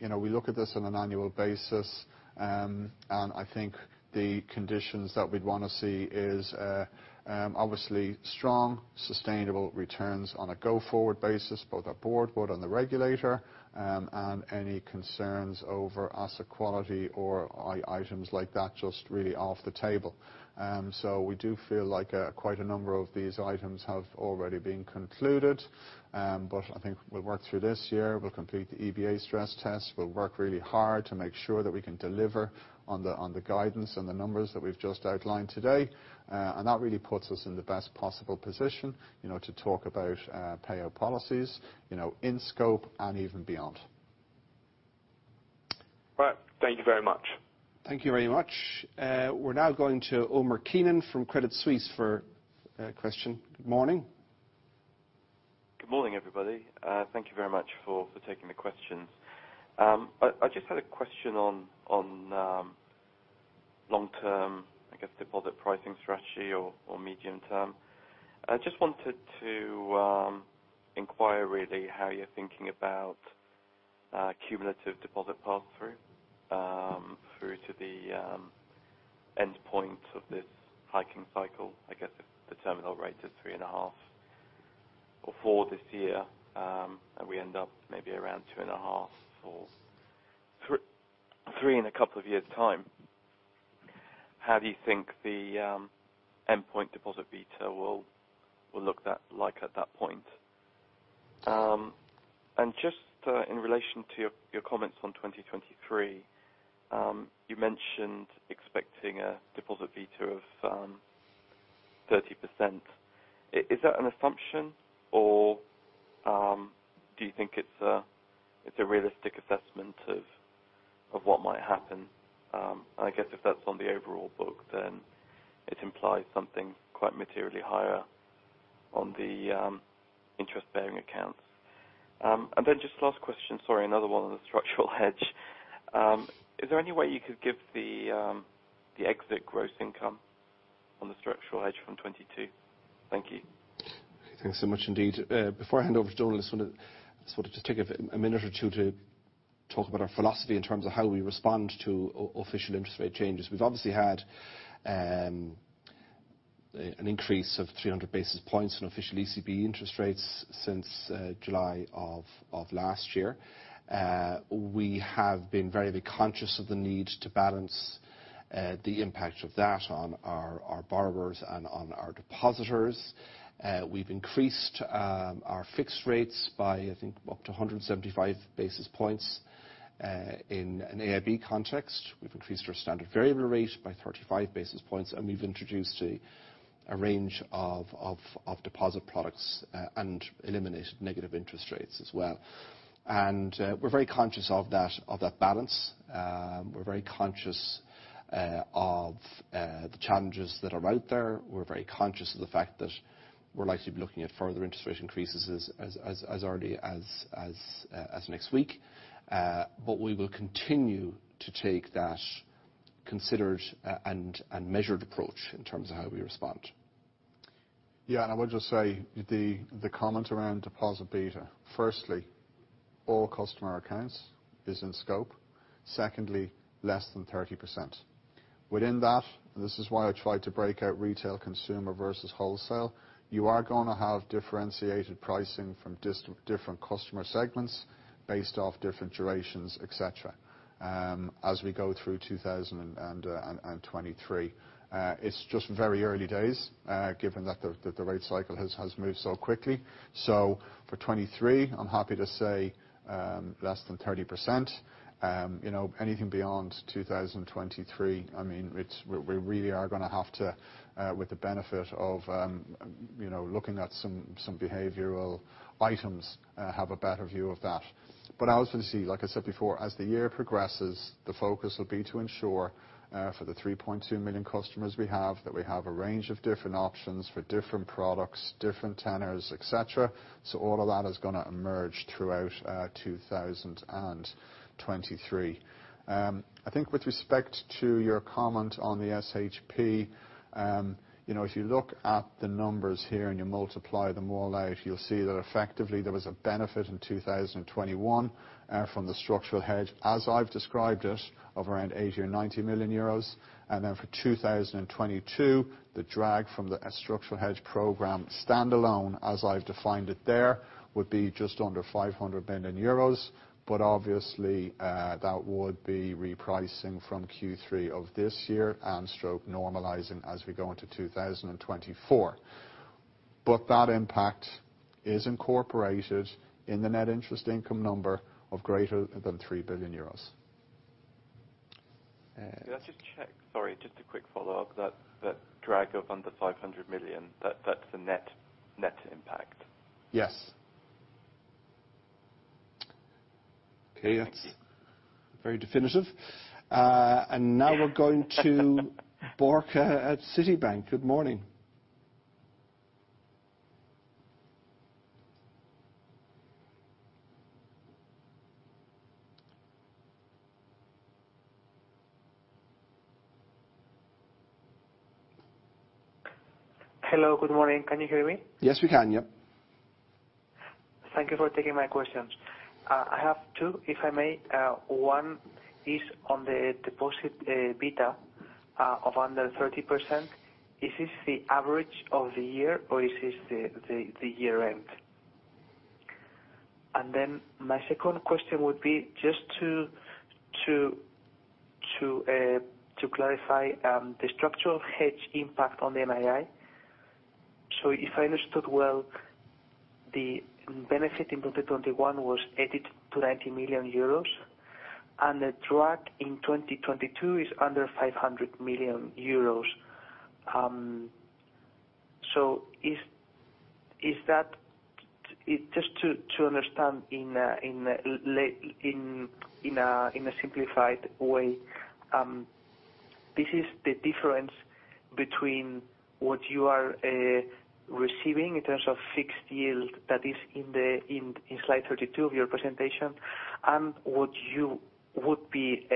You know, we look at this on an annual basis. I think the conditions that we'd wanna see is obviously strong, sustainable returns on a go-forward basis, both our board, but on the regulator, and any concerns over asset quality or items like that, just really off the table. We do feel like quite a number of these items have already been concluded. I think we'll work through this year. We'll complete the EBA stress test. We'll work really hard to make sure that we can deliver on the, on the guidance and the numbers that we've just outlined today. That really puts us in the best possible position, you know, to talk about payout policies, you know, in scope and even beyond. Right. Thank you very much. Thank you very much. We're now going to Omar Keenan from Credit Suisse for a question. Good morning. Good morning, everybody. Thank you very much for taking the questions. I just had a question on long-term, I guess, deposit pricing strategy or medium-term. I just wanted to inquire really how you're thinking about cumulative deposit pass-through through to the end point of this hiking cycle. I guess if the terminal rate is 3.5 or for this year, and we end up maybe around 2.5 or three in a couple of years' time, how do you think the endpoint deposit beta will look at, like at that point? Just in relation to your comments on 2023, you mentioned expecting a deposit beta of 30%. Is that an assumption, or do you think it's a realistic assessment of what might happen? I guess if that's on the overall book, then it implies something quite materially higher on the interest-bearing accounts. Just last question, sorry, another one on the structural hedge. Is there any way you could give the exit gross income on the structural hedge from 2022? Thank you. Thanks so much indeed. Before I hand over to Donal, I just wanna just take a minute or two to talk about our philosophy in terms of how we respond to official interest rate changes. We've obviously had an increase of 300 basis points in official ECB interest rates since July of last year. We have been very conscious of the need to balance the impact of that on our borrowers and on our depositors. We've increased our fixed rates by, I think, up to 175 basis points in an AIB context. We've increased our standard variable rate by 35 basis points, and we've introduced a range of deposit products and eliminated negative interest rates as well. We're very conscious of that balance. We're very conscious of the challenges that are out there. We're very conscious of the fact that we're likely to be looking at further interest rate increases as early as next week. We will continue to take that considered and measured approach in terms of how we respond. I would just say the comment around deposit beta, firstly, all customer accounts is in scope. Secondly, less than 30%. Within that, this is why I tried to break out retail consumer versus wholesale, you are gonna have differentiated pricing from different customer segments based off different durations, et cetera, as we go through 2023. It's just very early days, given that the rate cycle has moved so quickly. For 2023, I'm happy to say, less than 30%. You know, anything beyond 2023, I mean, it's, we really are gonna have to, with the benefit of, you know, looking at some behavioral items, have a better view of that. Obviously, like I said before, as the year progresses, the focus will be to ensure for the 3.2 million customers we have, that we have a range of different options for different products, different tenors, et cetera. All of that is gonna emerge throughout 2023. I think with respect to your comment on the SHP, you know, if you look at the numbers here, and you multiply them all out, you'll see that effectively there was a benefit in 2021 from the structural hedge, as I've described it, of around 80 million or 90 million euros. Then for 2022, the drag from the Structural Hedge Program standalone, as I've defined it there, would be just under 500 million euros. obviously, that would be repricing from Q3 of this year, and stroke normalizing as we go into 2024. That impact is incorporated in the Net Interest Income number of greater than 3 billion euros. Yeah, just check. Sorry, just a quick follow-up. That drag of under 500 million, that's the net impact? Yes. Okay, that's very definitive. Now we're going to Borja at Citibank. Good morning. Hello, good morning. Can you hear me? Yes, we can. Yep. Thank you for taking my questions. I have two, if I may. One is on the deposit beta of under 30%. Is this the average of the year or is this the year end? My second question would be just to clarify the structural hedge impact on the NII. If I understood well, the benefit in 2021 was 80 million-90 million euros, and the drag in 2022 is under 500 million euros. Is that? Just to understand in a simplified way, this is the difference between what you are receiving in terms of fixed yield that is in slide 32 of your presentation and what you would be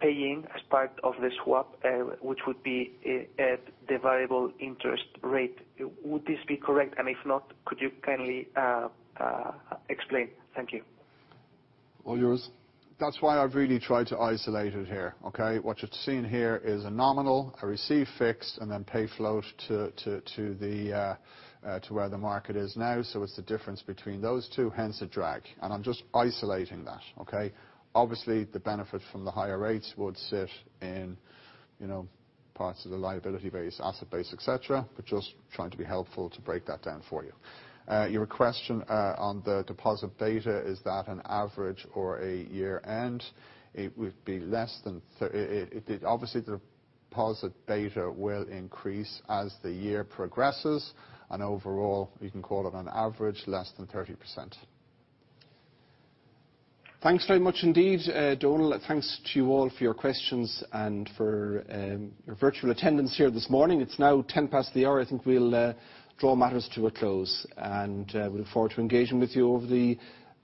paying as part of the swap, which would be at the variable interest rate. Would this be correct? If not, could you kindly explain? Thank you. All yours. That's why I've really tried to isolate it here, okay? What you're seeing here is a nominal, a receive fixed, and then pay float to where the market is now. It's the difference between those two, hence the drag, and I'm just isolating that, okay? Obviously, the benefit from the higher rates would sit in, you know, parts of the liability base, asset base, et cetera, but just trying to be helpful to break that down for you. Your question on the deposit beta, is that an average or a year end? It would be less than obviously, the deposit beta will increase as the year progresses, and overall, you can call it on average less than 30%. Thanks very much indeed, Donal. Thanks to you all for your questions and for your virtual attendance here this morning. It's now 10 past the hour. I think we'll draw matters to a close, and we look forward to engaging with you over the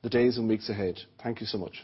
days and weeks ahead. Thank you so much.